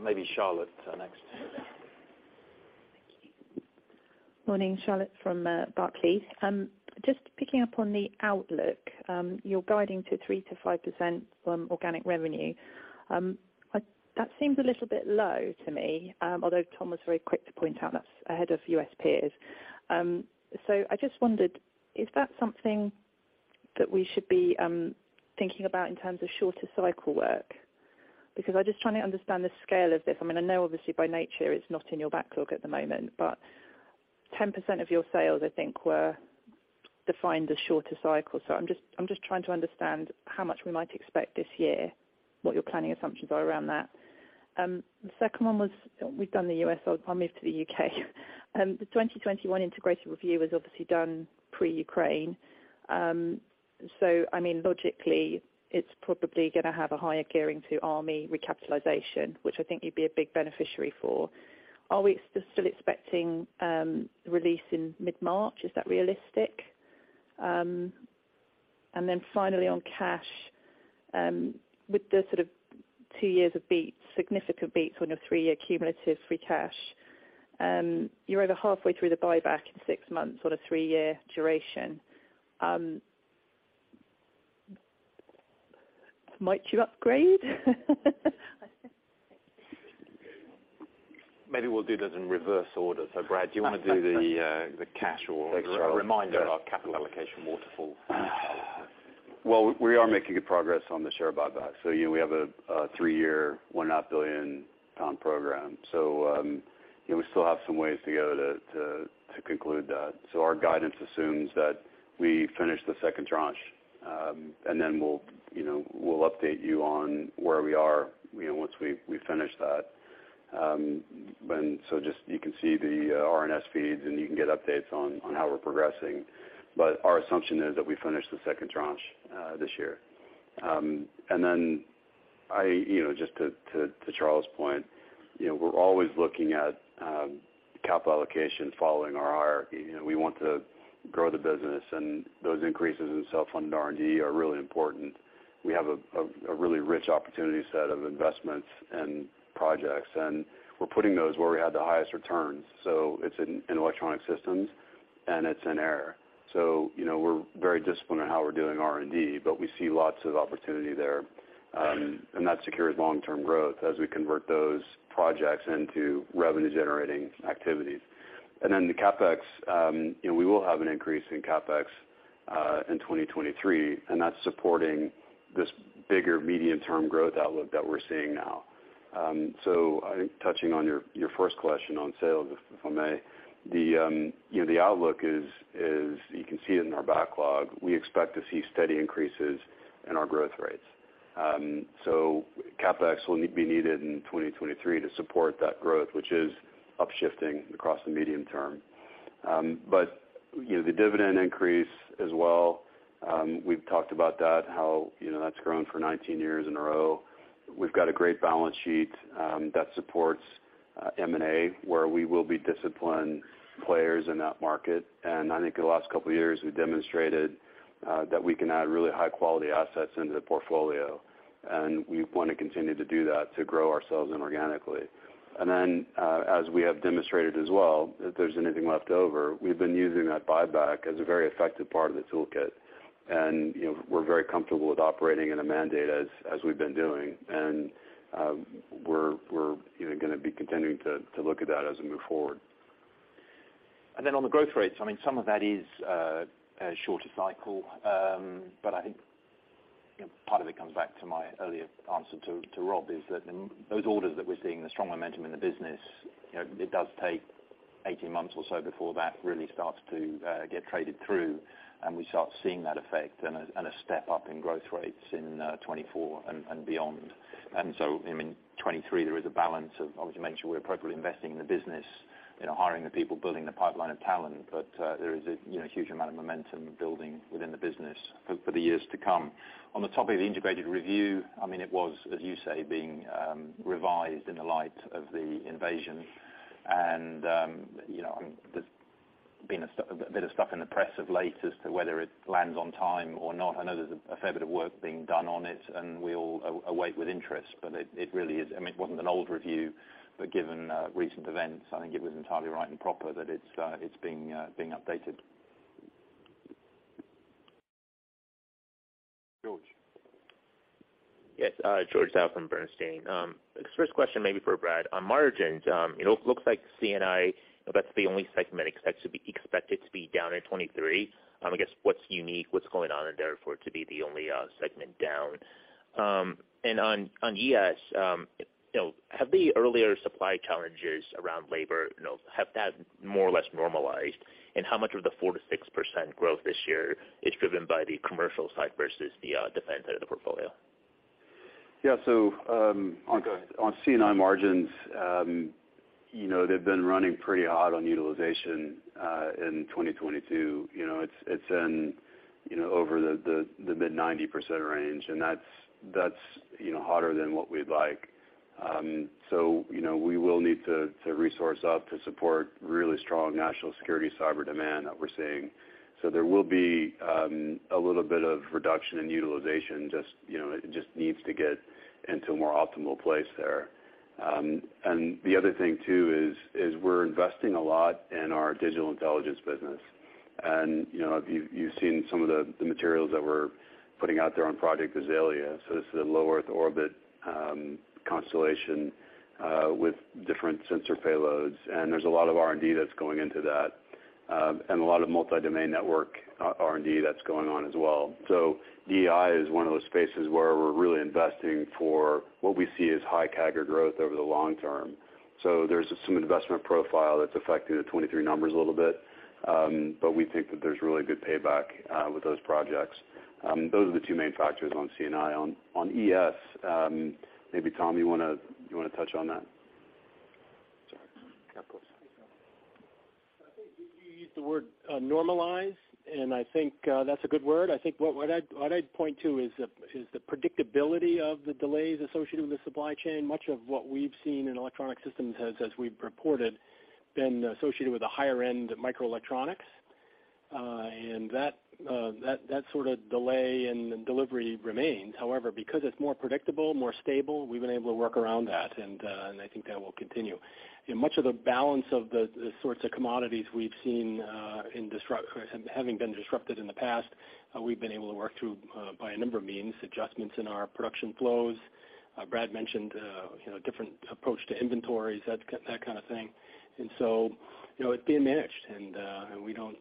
Maybe Charlotte, next. Thank you. Morning, Charlotte from Barclays. Just picking up on the outlook, you're guiding to 3%-5% from organic revenue. That seems a little bit low to me, although Tom was very quick to point out that's ahead of U.S. peers. I just wondered, is that something that we should be thinking about in terms of shorter cycle work? I'm just trying to understand the scale of this. I mean, I know obviously by nature it's not in your backlog at the moment, but 10% of your sales, I think, were defined as shorter cycles. I'm just trying to understand how much we might expect this year, what your planning assumptions are around that. The second one was, we've done the U.S., I'll move to the U.K. The 2021 Integrated Review was obviously done pre-Ukraine. I mean, logically, it's probably going to have a higher gearing to army recapitalization, which I think you'd be a big beneficiary for. Are we still expecting release in mid-March? Is that realistic? Finally on cash, with the sort of two years of beats, significant beats on a three year cumulative free cash, you're over halfway through the buyback in six months on a three year duration. Might you upgrade? Maybe we'll do this in reverse order. Brad, do you wanna do the cash or a reminder of our capital allocation waterfall? We are making good progress on the share buyback. You know, we have a three-year, 1.5 billion pound program. You know, we still have some ways to go to conclude that. Our guidance assumes that we finish the second tranche, and then we'll, you know, we'll update you on where we are, you know, once we finish that. Just you can see the RNS feeds, and you can get updates on how we're progressing. Our assumption is that we finish the second tranche this year. You know, just to Charlotte's point, you know, we're always looking at capital allocation following our hierarchy. You know, we want to grow the business, and those increases in self-funded R&D are really important. We have a really rich opportunity set of investments and projects, and we're putting those where we have the highest returns, so it's in Electronic Systems and it's in air. You know, we're very disciplined in how we're doing R&D, but we see lots of opportunity there. That secures long-term growth as we convert those projects into revenue generating activities. The CapEx, you know, we will have an increase in CapEx in 2023, and that's supporting this bigger medium-term growth outlook that we're seeing now. I think touching on your first question on sales, if I may, the outlook is you can see it in our backlog. We expect to see steady increases in our growth rates. CapEx will be needed in 2023 to support that growth, which is up-shifting across the medium term. You know, the dividend increase as well, we've talked about that, how, you know, that's grown for 19 years in a row. We've got a great balance sheet that supports M&A, where we will be disciplined players in that market. I think in the last couple of years, we've demonstrated that we can add really high-quality assets into the portfolio, and we want to continue to do that to grow ourselves inorganically. As we have demonstrated as well, if there's anything left over, we've been using that buyback as a very effective part of the toolkit. You know, we're very comfortable with operating in a mandate as we've been doing. We're, you know, gonna be continuing to look at that as we move forward. On the growth rates, I mean, some of that is a shorter cycle. I think, you know, part of it comes back to my earlier answer to Rob, is that those orders that we're seeing, the strong momentum in the business, you know, it does take 18 months or so before that really starts to get traded through and we start seeing that effect and a step-up in growth rates in 2024 and beyond. I mean, 2023, there is a balance of, obviously, making sure we're appropriately investing in the business, you know, hiring the people, building the pipeline of talent. There is a, you know, huge amount of momentum building within the business for the years to come. On the topic of the Integrated Review, I mean, it was, as you say, being revised in the light of the invasion. You know, there's been a bit of stuff in the press of late as to whether it lands on time or not. I know there's a fair bit of work being done on it, and we all await with interest. It really is, I mean, it wasn't an old review, but given recent events, I think it was entirely right and proper that it's being updated. George. Yes, George Zhao from Bernstein. First question maybe for Brad. On margins, it looks like C&I, that's the only segment expected to be down in 2023. I guess, what's unique, what's going on in there for it to be the only segment down? On ES, you know, have the earlier supply challenges around labor, you know, have that more or less normalized? How much of the 4%-6% growth this year is driven by the commercial side versus the defense side of the portfolio? On C&I margins, you know, they've been running pretty hot on utilization in 2022. You know, it's in, you know, over the mid-90% range, and that's, you know, hotter than what we'd like. We will need to resource up to support really strong national security cyber demand that we're seeing. There will be a little bit of reduction in utilization, just, you know, it just needs to get into a more optimal place there. The other thing too is we're investing a lot in our Digital Intelligence business. You know, you've seen some of the materials that we're putting out there on Project Azalea. This is a low Earth orbit constellation with different sensor payloads, and there's a lot of R&D that's going into that, and a lot of multi-domain network R&D that's going on as well. DEI is one of those spaces where we're really investing for what we see as high CAGR growth over the long term. There's some investment profile that's affecting the 2023 numbers a little bit. But we think that there's really good payback with those projects. Those are the two main factors on C&I. On ES, maybe, Tom, you wanna touch on that? Sure. Yeah, of course. I think you used the word, normalize, and I think that's a good word. I think what I'd point to is the predictability of the delays associated with the supply chain. Much of what we've seen in Electronic Systems has, as we've reported, been associated with a higher end microelectronics. That sort of delay in delivery remains. However, because it's more predictable, more stable, we've been able to work around that, and I think that will continue. You know, much of the balance of the sorts of commodities we've seen, having been disrupted in the past, we've been able to work through by a number of means, adjustments in our production flows. Brad mentioned, you know, different approach to inventories, that kind of thing. You know, it's being managed, and we don't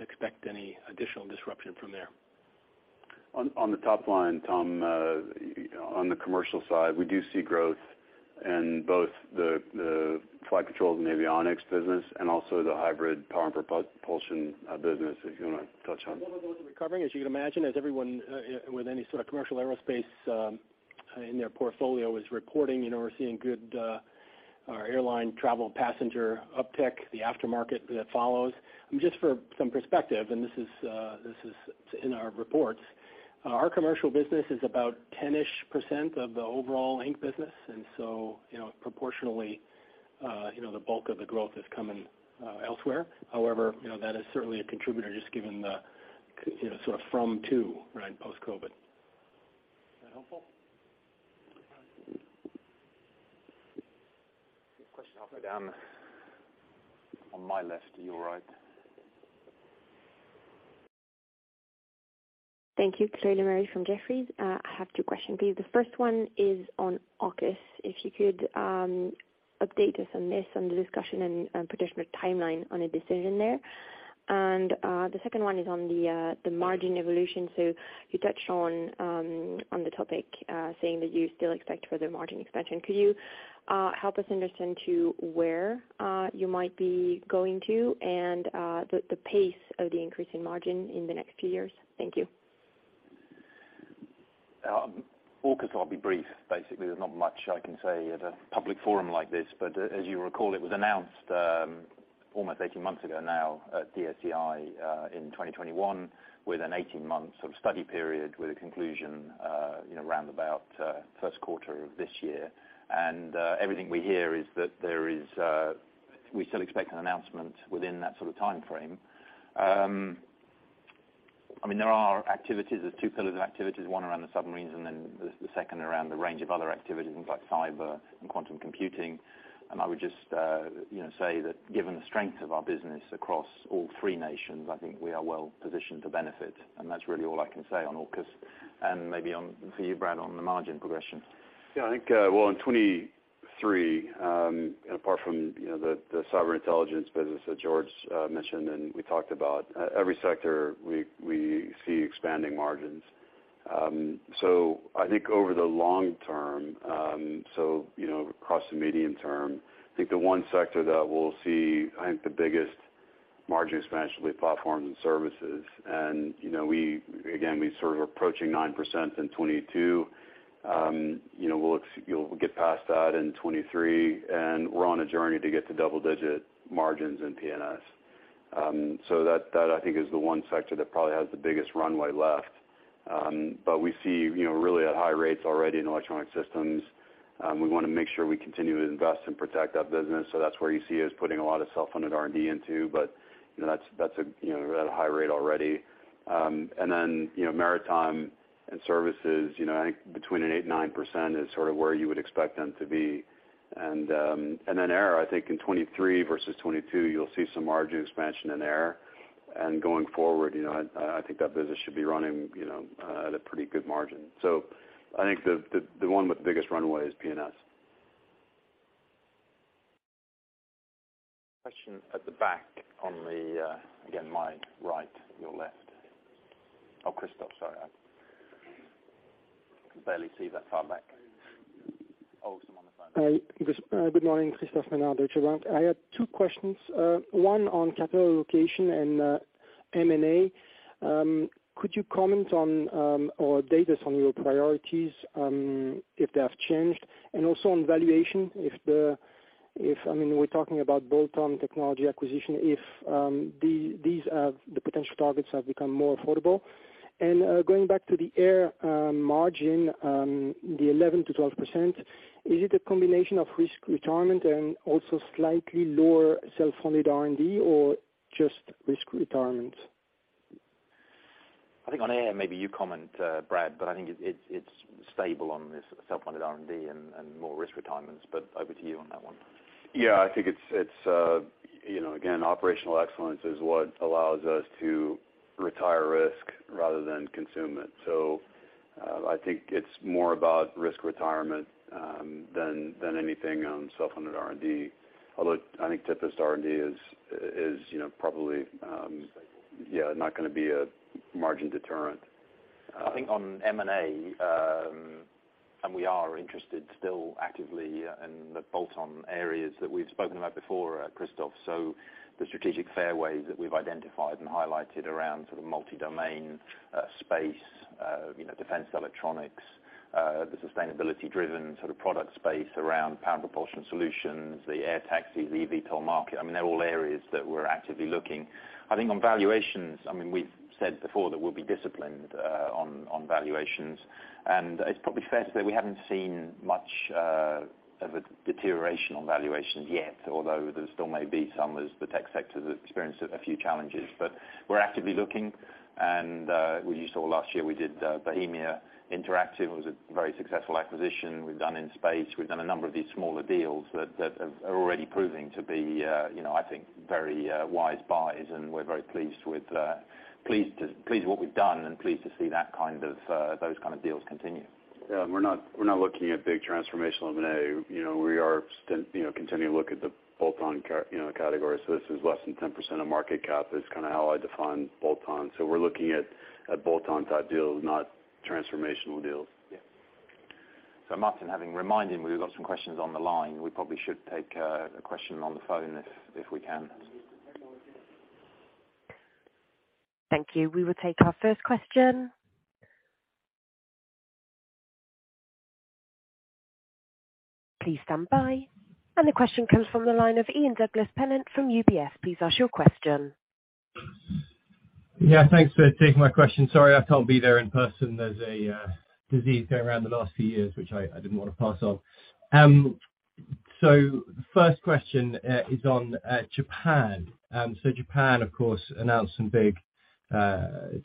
expect any additional disruption from there. On the top line, Tom, on the commercial side, we do see growth in both the flight controls and avionics business and also the hybrid power and propulsion business, if you wanna touch on that. Well, those are recovering, as you can imagine, as everyone, with any sort of commercial aerospace, in their portfolio is reporting. You know, we're seeing good, our airline travel passenger uptick, the aftermarket that follows. Just for some perspective, this is, this is in our reports, our commercial business is about 10-ish% of the overall Inc. business. You know, proportionally, you know, the bulk of the growth is coming, elsewhere. However, you know, that is certainly a contributor just given the, you know, sort of from to, right, post-COVID. Is that helpful? Next question, halfway down on my left to your right. Thank you. Chloe Lemarie from Jefferies. I have two questions, please. The first one is on AUKUS. If you could update us on this, on the discussion and potential timeline on a decision there. The second one is on the margin evolution. You touched on the topic, saying that you still expect further margin expansion. Could you help us understand to where you might be going to and the pace of the increase in margin in the next few years? Thank you. AUKUS, I'll be brief. Basically, there's not much I can say at a public forum like this, but as you recall, it was announced almost 18 months ago now at DSEI in 2021 with an 18 month sort of study period, with a conclusion, you know, around about first quarter of this year. Everything we hear is that we still expect an announcement within that sort of timeframe. I mean, there are activities. There's two pillars of activities, one around the submarines and then the second around the range of other activities, things like cyber and quantum computing. I would just, you know, say that given the strength of our business across all three nations, I think we are well positioned to benefit. That's really all I can say on AUKUS, and maybe on, for you, Brad, on the margin progression. Yeah, I think, well, in 2023, apart from, you know, the cyber intelligence business that George mentioned and we talked about, every sector we see expanding margins. I think over the long term, so, you know, across the medium term, I think the one sector that we'll see, I think the biggest margin expansion will be platforms and services. You know, again, we sort of approaching 9% in 2022. You know, you'll get past that in 2023, and we're on a journey to get to double-digit margins in P&S. That I think is the one sector that probably has the biggest runway left. We see, you know, really at high rates already in Electronic Systems. We wanna make sure we continue to invest and protect that business. That's where you see us putting a lot of self-funded R&D into. You know, that's a, you know, we're at a high rate already. Then, you know, maritime and services, you know, I think between an 8% and 9% is sort of where you would expect them to be. Then air, I think in 2023 versus 2022, you'll see some margin expansion in air. Going forward, you know, I think that business should be running, you know, at a pretty good margin. I think the one with the biggest runway is P&S. Question at the back on the again, my right, your left. Oh, Christophe. Sorry. I can barely see that far back. Oh, someone on the phone. Hi, Good morning, Christophe Menard, Deutsche Bank. I had two questions, one on capital allocation and M&A. Could you comment on or update us on your priorities if they have changed, and also on valuation, if, I mean, we're talking about bolt-on technology acquisition, if the potential targets have become more affordable? Going back to the air margin, the 11%-12%, is it a combination of risk retirement and also slightly lower self-funded R&D, or just risk retirement? I think on air, maybe you comment, Brad, but I think it's stable on this self-funded R&D and more risk retirements. Over to you on that one. Yeah, I think it's, you know, again, operational excellence is what allows us to retire risk rather than consume it. I think it's more about risk retirement, than anything on self-funded R&D. Although, I think Tempest R&D is, you know, probably. Stable yeah, not gonna be a margin deterrent. I think on M&A, we are interested still actively in the bolt-on areas that we've spoken about before, Christophe. The strategic fairways that we've identified and highlighted around sort of multi-domain, space, you know, defense electronics, the sustainability driven sort of product space around power propulsion solutions, the air taxis, the EVTOL market, I mean, they're all areas that we're actively looking. I think on valuations, I mean, we've said before that we'll be disciplined on valuations. It's probably fair to say we haven't seen much of a deterioration on valuations yet, although there still may be some as the tech sector has experienced a few challenges. We're actively looking and, well you saw last year we did Bohemia Interactive. It was a very successful acquisition we've done in space. We've done a number of these smaller deals that have, are already proving to be, you know, I think very, wise buys, and we're very pleased with what we've done and pleased to see that kind of, those kind of deals continue. Yeah, we're not looking at big transformational M&A. You know, we are still, you know, continuing to look at the bolt-on you know, category. This is less than 10% of market cap is kind of how I define bolt-on. We're looking at bolt-on type deals, not transformational deals. Yeah. Martin, having reminded me we've got some questions on the line, we probably should take a question on the phone if we can. Thank you. We will take our first question. Please stand by. The question comes from the line of Iain Douglas-Pennant from UBS. Please ask your question. Thanks for taking my question. Sorry I can't be there in person. There's a disease going around the last few years, which I didn't want to pass on. First question is on Japan. Japan of course announced some big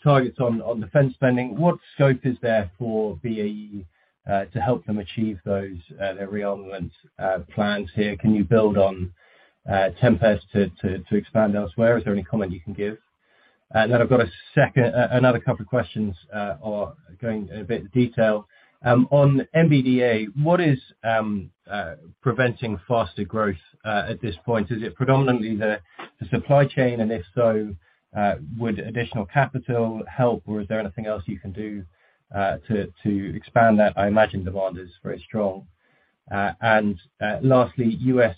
targets on defense spending. What scope is there for BAE to help them achieve those their rearmament plans here? Can you build on Tempest to expand elsewhere? Is there any comment you can give? Then I've got a second, another couple of questions, or going a bit detail. On MBDA, what is preventing faster growth at this point? Is it predominantly the supply chain, and if so, would additional capital help, or is there anything else you can do to expand that? I imagine demand is very strong. Lastly, U.S.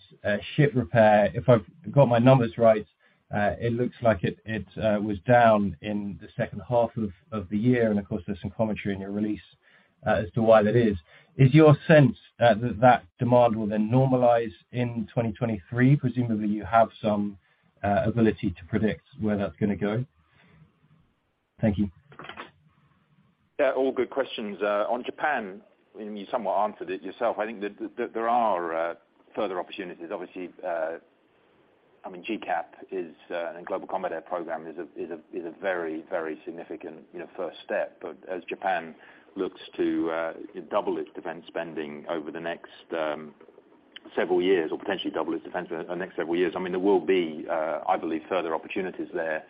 ship repair. If I've got my numbers right, it looks like it was down in the second half of the year. Of course, there's some commentary in your release as to why that is. Is your sense that demand will then normalize in 2023? Presumably you have some ability to predict where that's gonna go. Thank you. Yeah, all good questions. on Japan, and you somewhat answered it yourself, I think that there are, further opportunities. Obviously, I mean, GCAP is, and Global Combat Program is a very, very significant, you know, first step. As Japan looks to, double its defense spending over the next, several years or potentially double its defense the next several years, I mean, there will be, I believe, further opportunities there.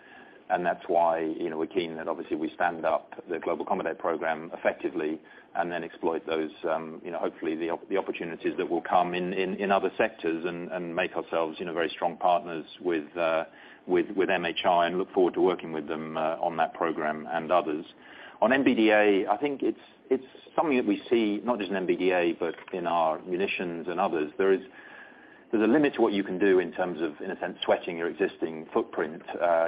That's why, you know, we're keen that obviously we stand up the Global Combat Program effectively and then exploit those, you know, hopefully the opportunities that will come in other sectors and make ourselves, you know, very strong partners with MHI, and look forward to working with them, on that program and others. On MBDA, I think it's something that we see not just in MBDA but in our munitions and others. There's a limit to what you can do in terms of, in a sense, sweating your existing footprint,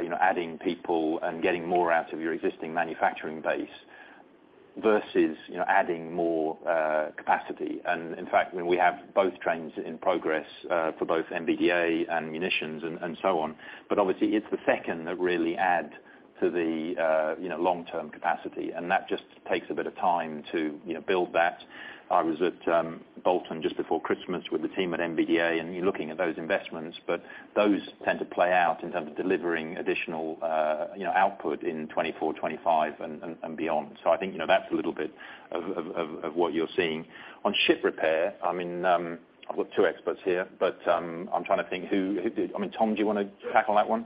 you know, adding people and getting more out of your existing manufacturing base versus, you know, adding more capacity. In fact, when we have both trains in progress for both MBDA and munitions and so on. Obviously it's the second that really add to the, you know, long-term capacity, and that just takes a bit of time to, you know, build that. I was at Bolton just before Christmas with the team at MBDA, and you're looking at those investments, but those tend to play out in terms of delivering additional, you know, output in 2024, 2025 and beyond. I think, you know, that's a little bit of what you're seeing. On ship repair, I mean, I've got two experts here, but I'm trying to think who. I mean, Tom, do you wanna tackle that one?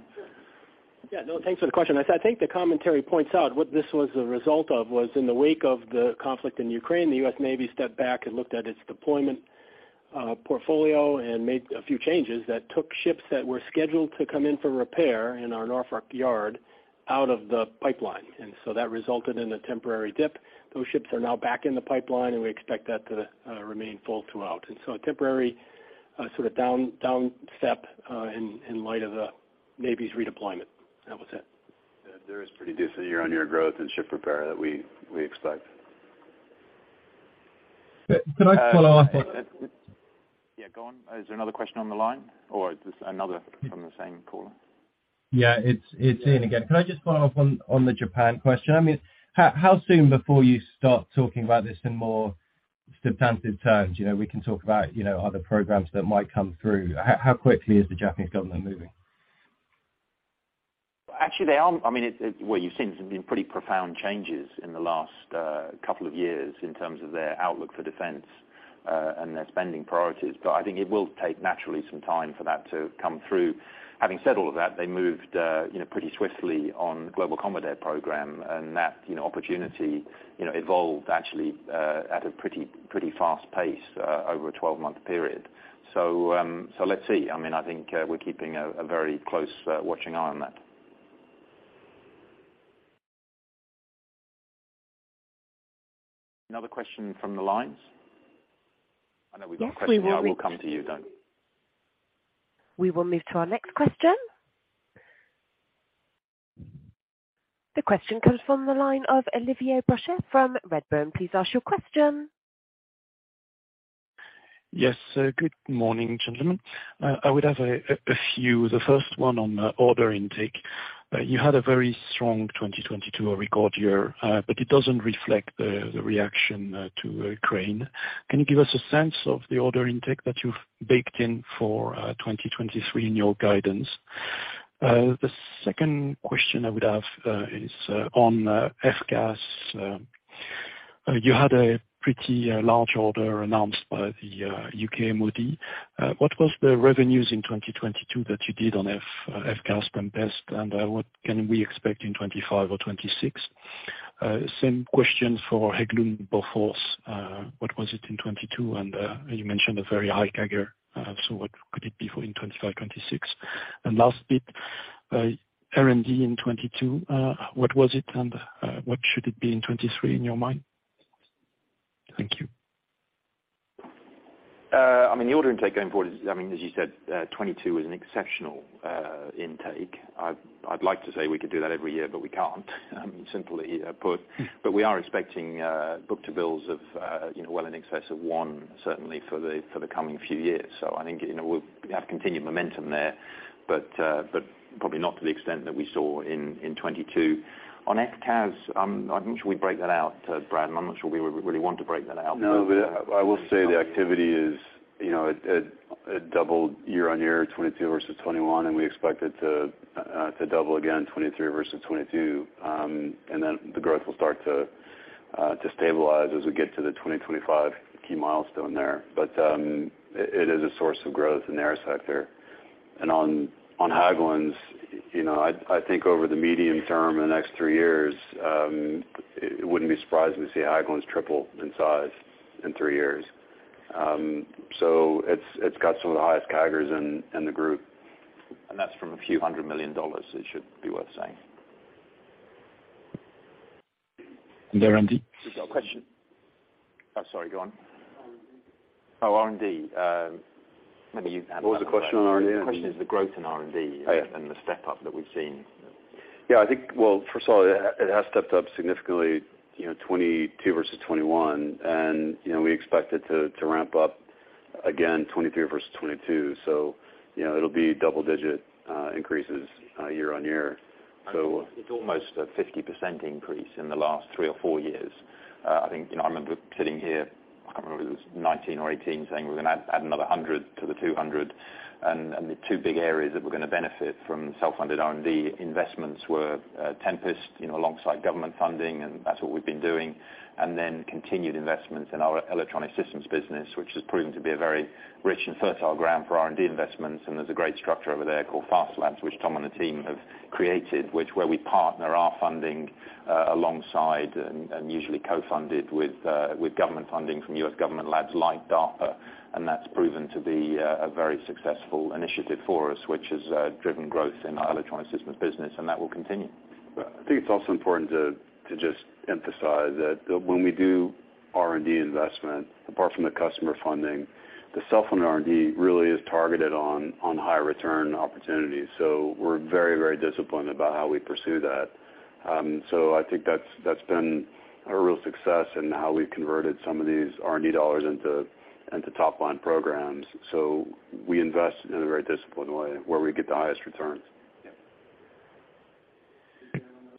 Yeah, no, thanks for the question. As I take the commentary points out, what this was a result of was in the wake of the conflict in Ukraine, the U.S. Navy stepped back and looked at its deployment portfolio and made a few changes that took ships that were scheduled to come in for repair in our Norfolk yard out of the pipeline. That resulted in a temporary dip. Those ships are now back in the pipeline, and we expect that to remain full throughout. A temporary sort of down step in light of the Navy's redeployment. That was it. There is pretty decent year-on-year growth in ship repair that we expect. Could I just follow up? Yeah, go on. Is there another question on the line, or is this another from the same caller? Yeah, it's Ian again. Can I just follow up on the Japan question? I mean, how soon before you start talking about this in more substantive terms, you know? We can talk about, you know, other programs that might come through. How quickly is the Japanese government moving? Actually, they are. I mean, what you've seen has been pretty profound changes in the last couple of years in terms of their outlook for defense, and their spending priorities. I think it will take naturally some time for that to come through. Having said all of that, they moved, you know, pretty swiftly on Global Combat Program, and that, you know, opportunity, you know, evolved actually, at a pretty fast pace, over a 12 month period. Let's see. I mean, I think, we're keeping a very close watching eye on that. Another question from the lines? I know we've got a question here. I will come to you though. We will move to our next question. The question comes from the line of Olivier Broche from Redburn. Please ask your question. Yes. Good morning, gentlemen. I would have a few. The first one on the order intake. You had a very strong 2022, a record year, but it doesn't reflect the reaction to Ukraine. Can you give us a sense of the order intake that you've baked in for 2023 in your guidance? The second question I would have is on FCAS. You had a pretty large order announced by the U.K. MOD. What was the revenues in 2022 that you did on FCAS and BEST? What can we expect in 2025 or 2026? Same question for Hägglunds Bofors. What was it in 2022? You mentioned a very high CAGR, what could it be for in 2025, 2026? Last bit, R&D in 2022, what was it, and what should it be in 2023 in your mind? Thank you. I mean, the order intake going forward is, I mean, as you said, 22 was an exceptional intake. I'd like to say we could do that every year, but we can't, simply put. We are expecting book-to-bill of, you know, well in excess of one certainly for the coming few years. I think, you know, we have continued momentum there, but probably not to the extent that we saw in 2022. On FCAS, I'm not sure we break that out, Brad, and I'm not sure we would really want to break that out. No, but I will say the activity is, you know, it doubled year-on-year 2022 versus 2021, and we expect it to double again 2023 versus 2022. The growth will start to stabilize as we get to the 2025 key milestone there. It is a source of growth in the air sector. On Hägglunds, you know, I think over the medium term in the next three years, it wouldn't be surprising to see Hägglunds triple in size in three years. It's got some of the highest CAGRs in the group. That's from a few hundred million dollars, it should be worth saying. R&D? We've got a question. Oh, sorry, go on. R&D. Oh, R&D. Maybe you can handle that one. What was the question on R&D? The question is the growth in R&D and the step up that we've seen. Yeah, I think, well, first of all, it has stepped up significantly, you know, 2022 versus 2021. You know, we expect it to ramp up again 2023 versus 2022. You know, it'll be double-digit increases year-over-year. It's almost a 50% increase in the last three or four years. I think, you know, I remember sitting here, I can't remember if it was 2019 or 2018, saying we're gonna add another 100 to the 200. The two big areas that we're gonna benefit from self-funded R&D investments were Tempest, you know, alongside government funding, and that's what we've been doing. Then continued investments in our electronic systems business, which has proven to be a very rich and fertile ground for R&D investments. There's a great structure over there called FAST Labs, which Tom and the team have created, where we partner our funding alongside and usually co-funded with government funding from U.S. government labs like DARPA. That's proven to be a very successful initiative for us, which has driven growth in our Electronic Systems business, and that will continue. I think it's also important to just emphasize that when we do R&D investment, apart from the customer funding, the self-funded R&D really is targeted on high return opportunities. So we're very, very disciplined about how we pursue that. So I think that's been a real success in how we've converted some of these R&D dollars into top-line programs. So we invest in a very disciplined way where we get the highest returns. Yeah.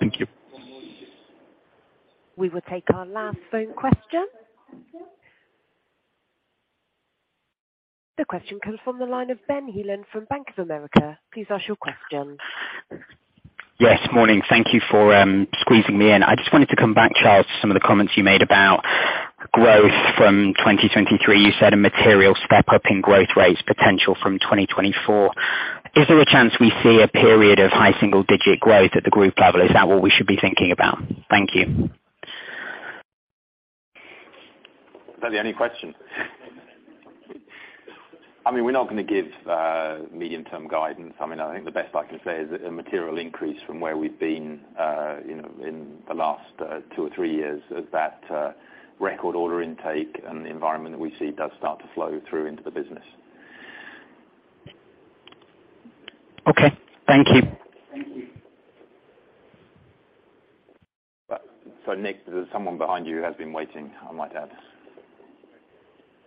Thank you. One more, please. We will take our last phone question. The question comes from the line of Ben Heelan from Bank of America. Please ask your question. Yes, morning. Thank you for squeezing me in. I just wanted to come back, Charles, to some of the comments you made about growth from 2023. You said a material step-up in growth rates potential from 2024. Is there a chance we see a period of high single-digit growth at the group level? Is that what we should be thinking about? Thank you. Is that the only question? I mean, we're not gonna give medium-term guidance. I mean, I think the best I can say is a material increase from where we've been, you know, in the last two or three years as that record order intake and the environment that we see does start to flow through into the business. Okay. Thank you. Nick, there's someone behind you who has been waiting, I might add.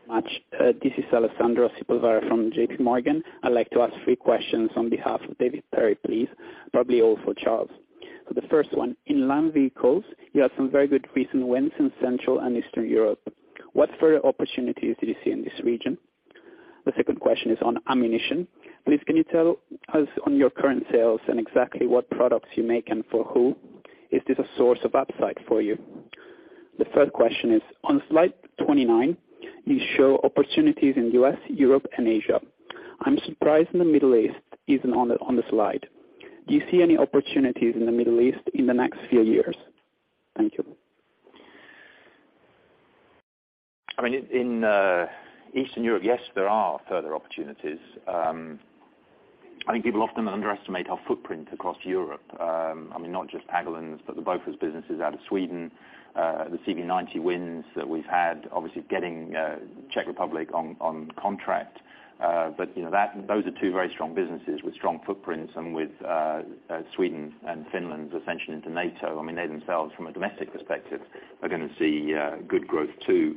Much. This is Alessandro [Ferrara] from JPMorgan. I'd like to ask three questions on behalf of David Perry, please, probably all for Charles. The first one, in land vehicles, you had some very good recent wins in Central and Eastern Europe. What further opportunities do you see in this region? The second question is on ammunition. Please, can you tell us on your current sales and exactly what products you make and for who. Is this a source of upside for you? The third question is, on slide 29, you show opportunities in U.S., Europe and Asia. I'm surprised the Middle East isn't on the slide. Do you see any opportunities in the Middle East in the next few years? Thank you. I mean, in Eastern Europe, yes, there are further opportunities. I think people often underestimate our footprint across Europe. I mean, not just Hägglunds, but the Bofors businesses out of Sweden, the CV90 wins that we've had, obviously getting Czech Republic on contract. You know, those are two very strong businesses with strong footprints and with Sweden and Finland's ascension into NATO. I mean, they themselves, from a domestic perspective, are gonna see good growth too.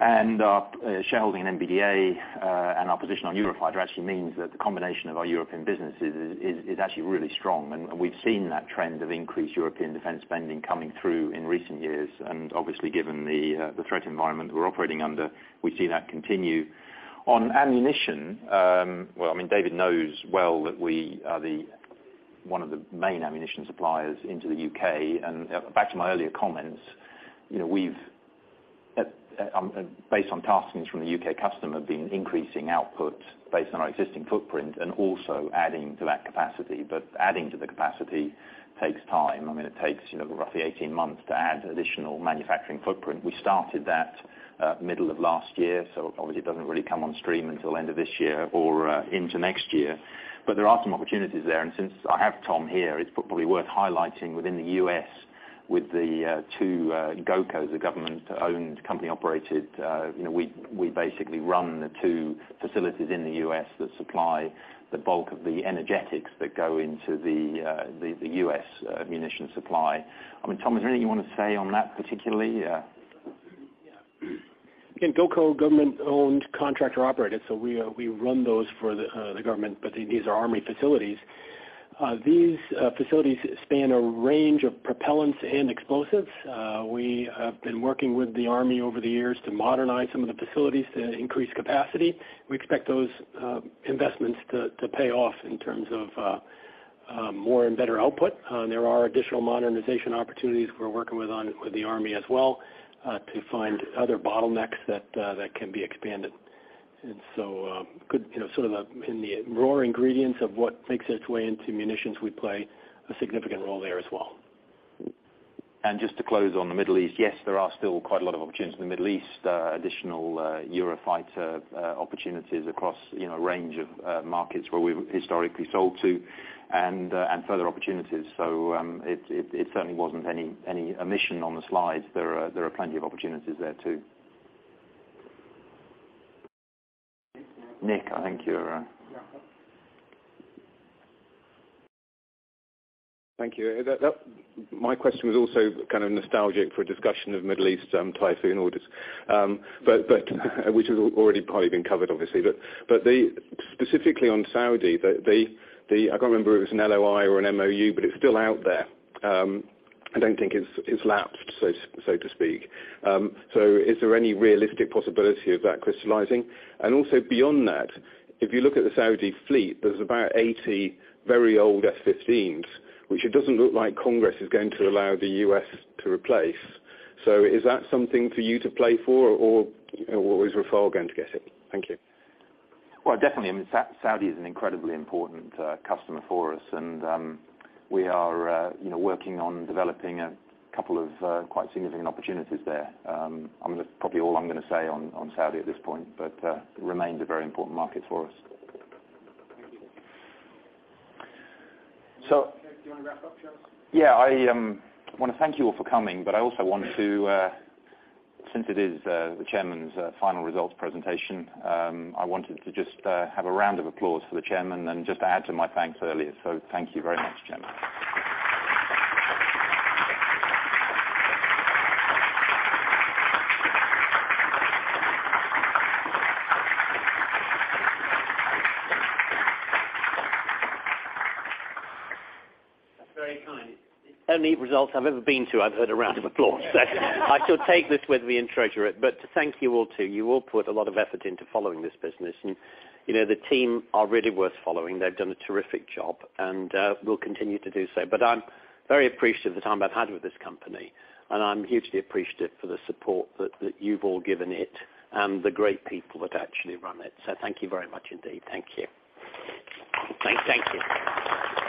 Our shareholding in MBDA and our position on Eurofighter actually means that the combination of our European businesses is actually really strong. We've seen that trend of increased European defense spending coming through in recent years. Obviously, given the threat environment we're operating under, we see that continue. On ammunition, well, I mean, David knows well that we are the, one of the main ammunition suppliers into the U.K. Back to my earlier comments, you know, we've, at, based on taskings from the U.K. customer, been increasing output based on our existing footprint and also adding to that capacity. Adding to the capacity takes time. I mean, it takes, you know, roughly 18 months to add additional manufacturing footprint. We started that, middle of last year, so obviously it doesn't really come on stream until end of this year or, into next year. There are some opportunities there. Since I have Tom here, it's probably worth highlighting within the U.S., with the two GOCOs, the government-owned, company-operated, you know, we basically run the two facilities in the U.S. that supply the bulk of the energetics that go into the U.S. munition supply. I mean, Tom, is there anything you want to say on that particularly? Yeah. Yeah. In GOCO, government-owned, contractor-operated, we run those for the government, but these are Army facilities. These facilities span a range of propellants and explosives. We have been working with the Army over the years to modernize some of the facilities to increase capacity. We expect those investments to pay off in terms of more and better output. There are additional modernization opportunities we're working with the Army as well to find other bottlenecks that can be expanded. Good, you know, sort of the, in the raw ingredients of what makes its way into munitions, we play a significant role there as well. Just to close on the Middle East, yes, there are still quite a lot of opportunities in the Middle East, additional Eurofighter opportunities across, you know, a range of markets where we've historically sold to and further opportunities. It certainly wasn't any omission on the slides. There are plenty of opportunities there too. Nick, I think you're. Thank you. That my question was also kind of nostalgic for a discussion of Middle East, Typhoon orders. which has already partly been covered, obviously. specifically on Saudi, I can't remember if it was an LOI or an MOU, but it's still out there. I don't think it's lapsed, so to speak. is there any realistic possibility of that crystallizing? Also beyond that, if you look at the Saudi fleet, there's about 80 very old F-15s, which it doesn't look like Congress is going to allow the U.S. to replace. is that something for you to play for or is Rafale going to get it? Thank you. Well, definitely. I mean, Saudi is an incredibly important customer for us, and we are, you know, working on developing a couple of quite significant opportunities there. That's probably all I'm gonna say on Saudi at this point, but it remains a very important market for us. So. Do you wanna wrap up, Charles? Yeah. I wanna thank you all for coming, but I also want to, since it is the Chairman's final results presentation, I wanted to just have a round of applause for the Chairman and just add to my thanks earlier. Thank you very much, Chairman. That's very kind. The only results I've ever been to, I've heard a round of applause. I shall take this with me and treasure it. To thank you all, too. You all put a lot of effort into following this business. You know, the team are really worth following. They've done a terrific job. We'll continue to do so. I'm very appreciative of the time I've had with this company, and I'm hugely appreciative for the support that you've all given it and the great people that actually run it. Thank you very much indeed. Thank you. Thank you.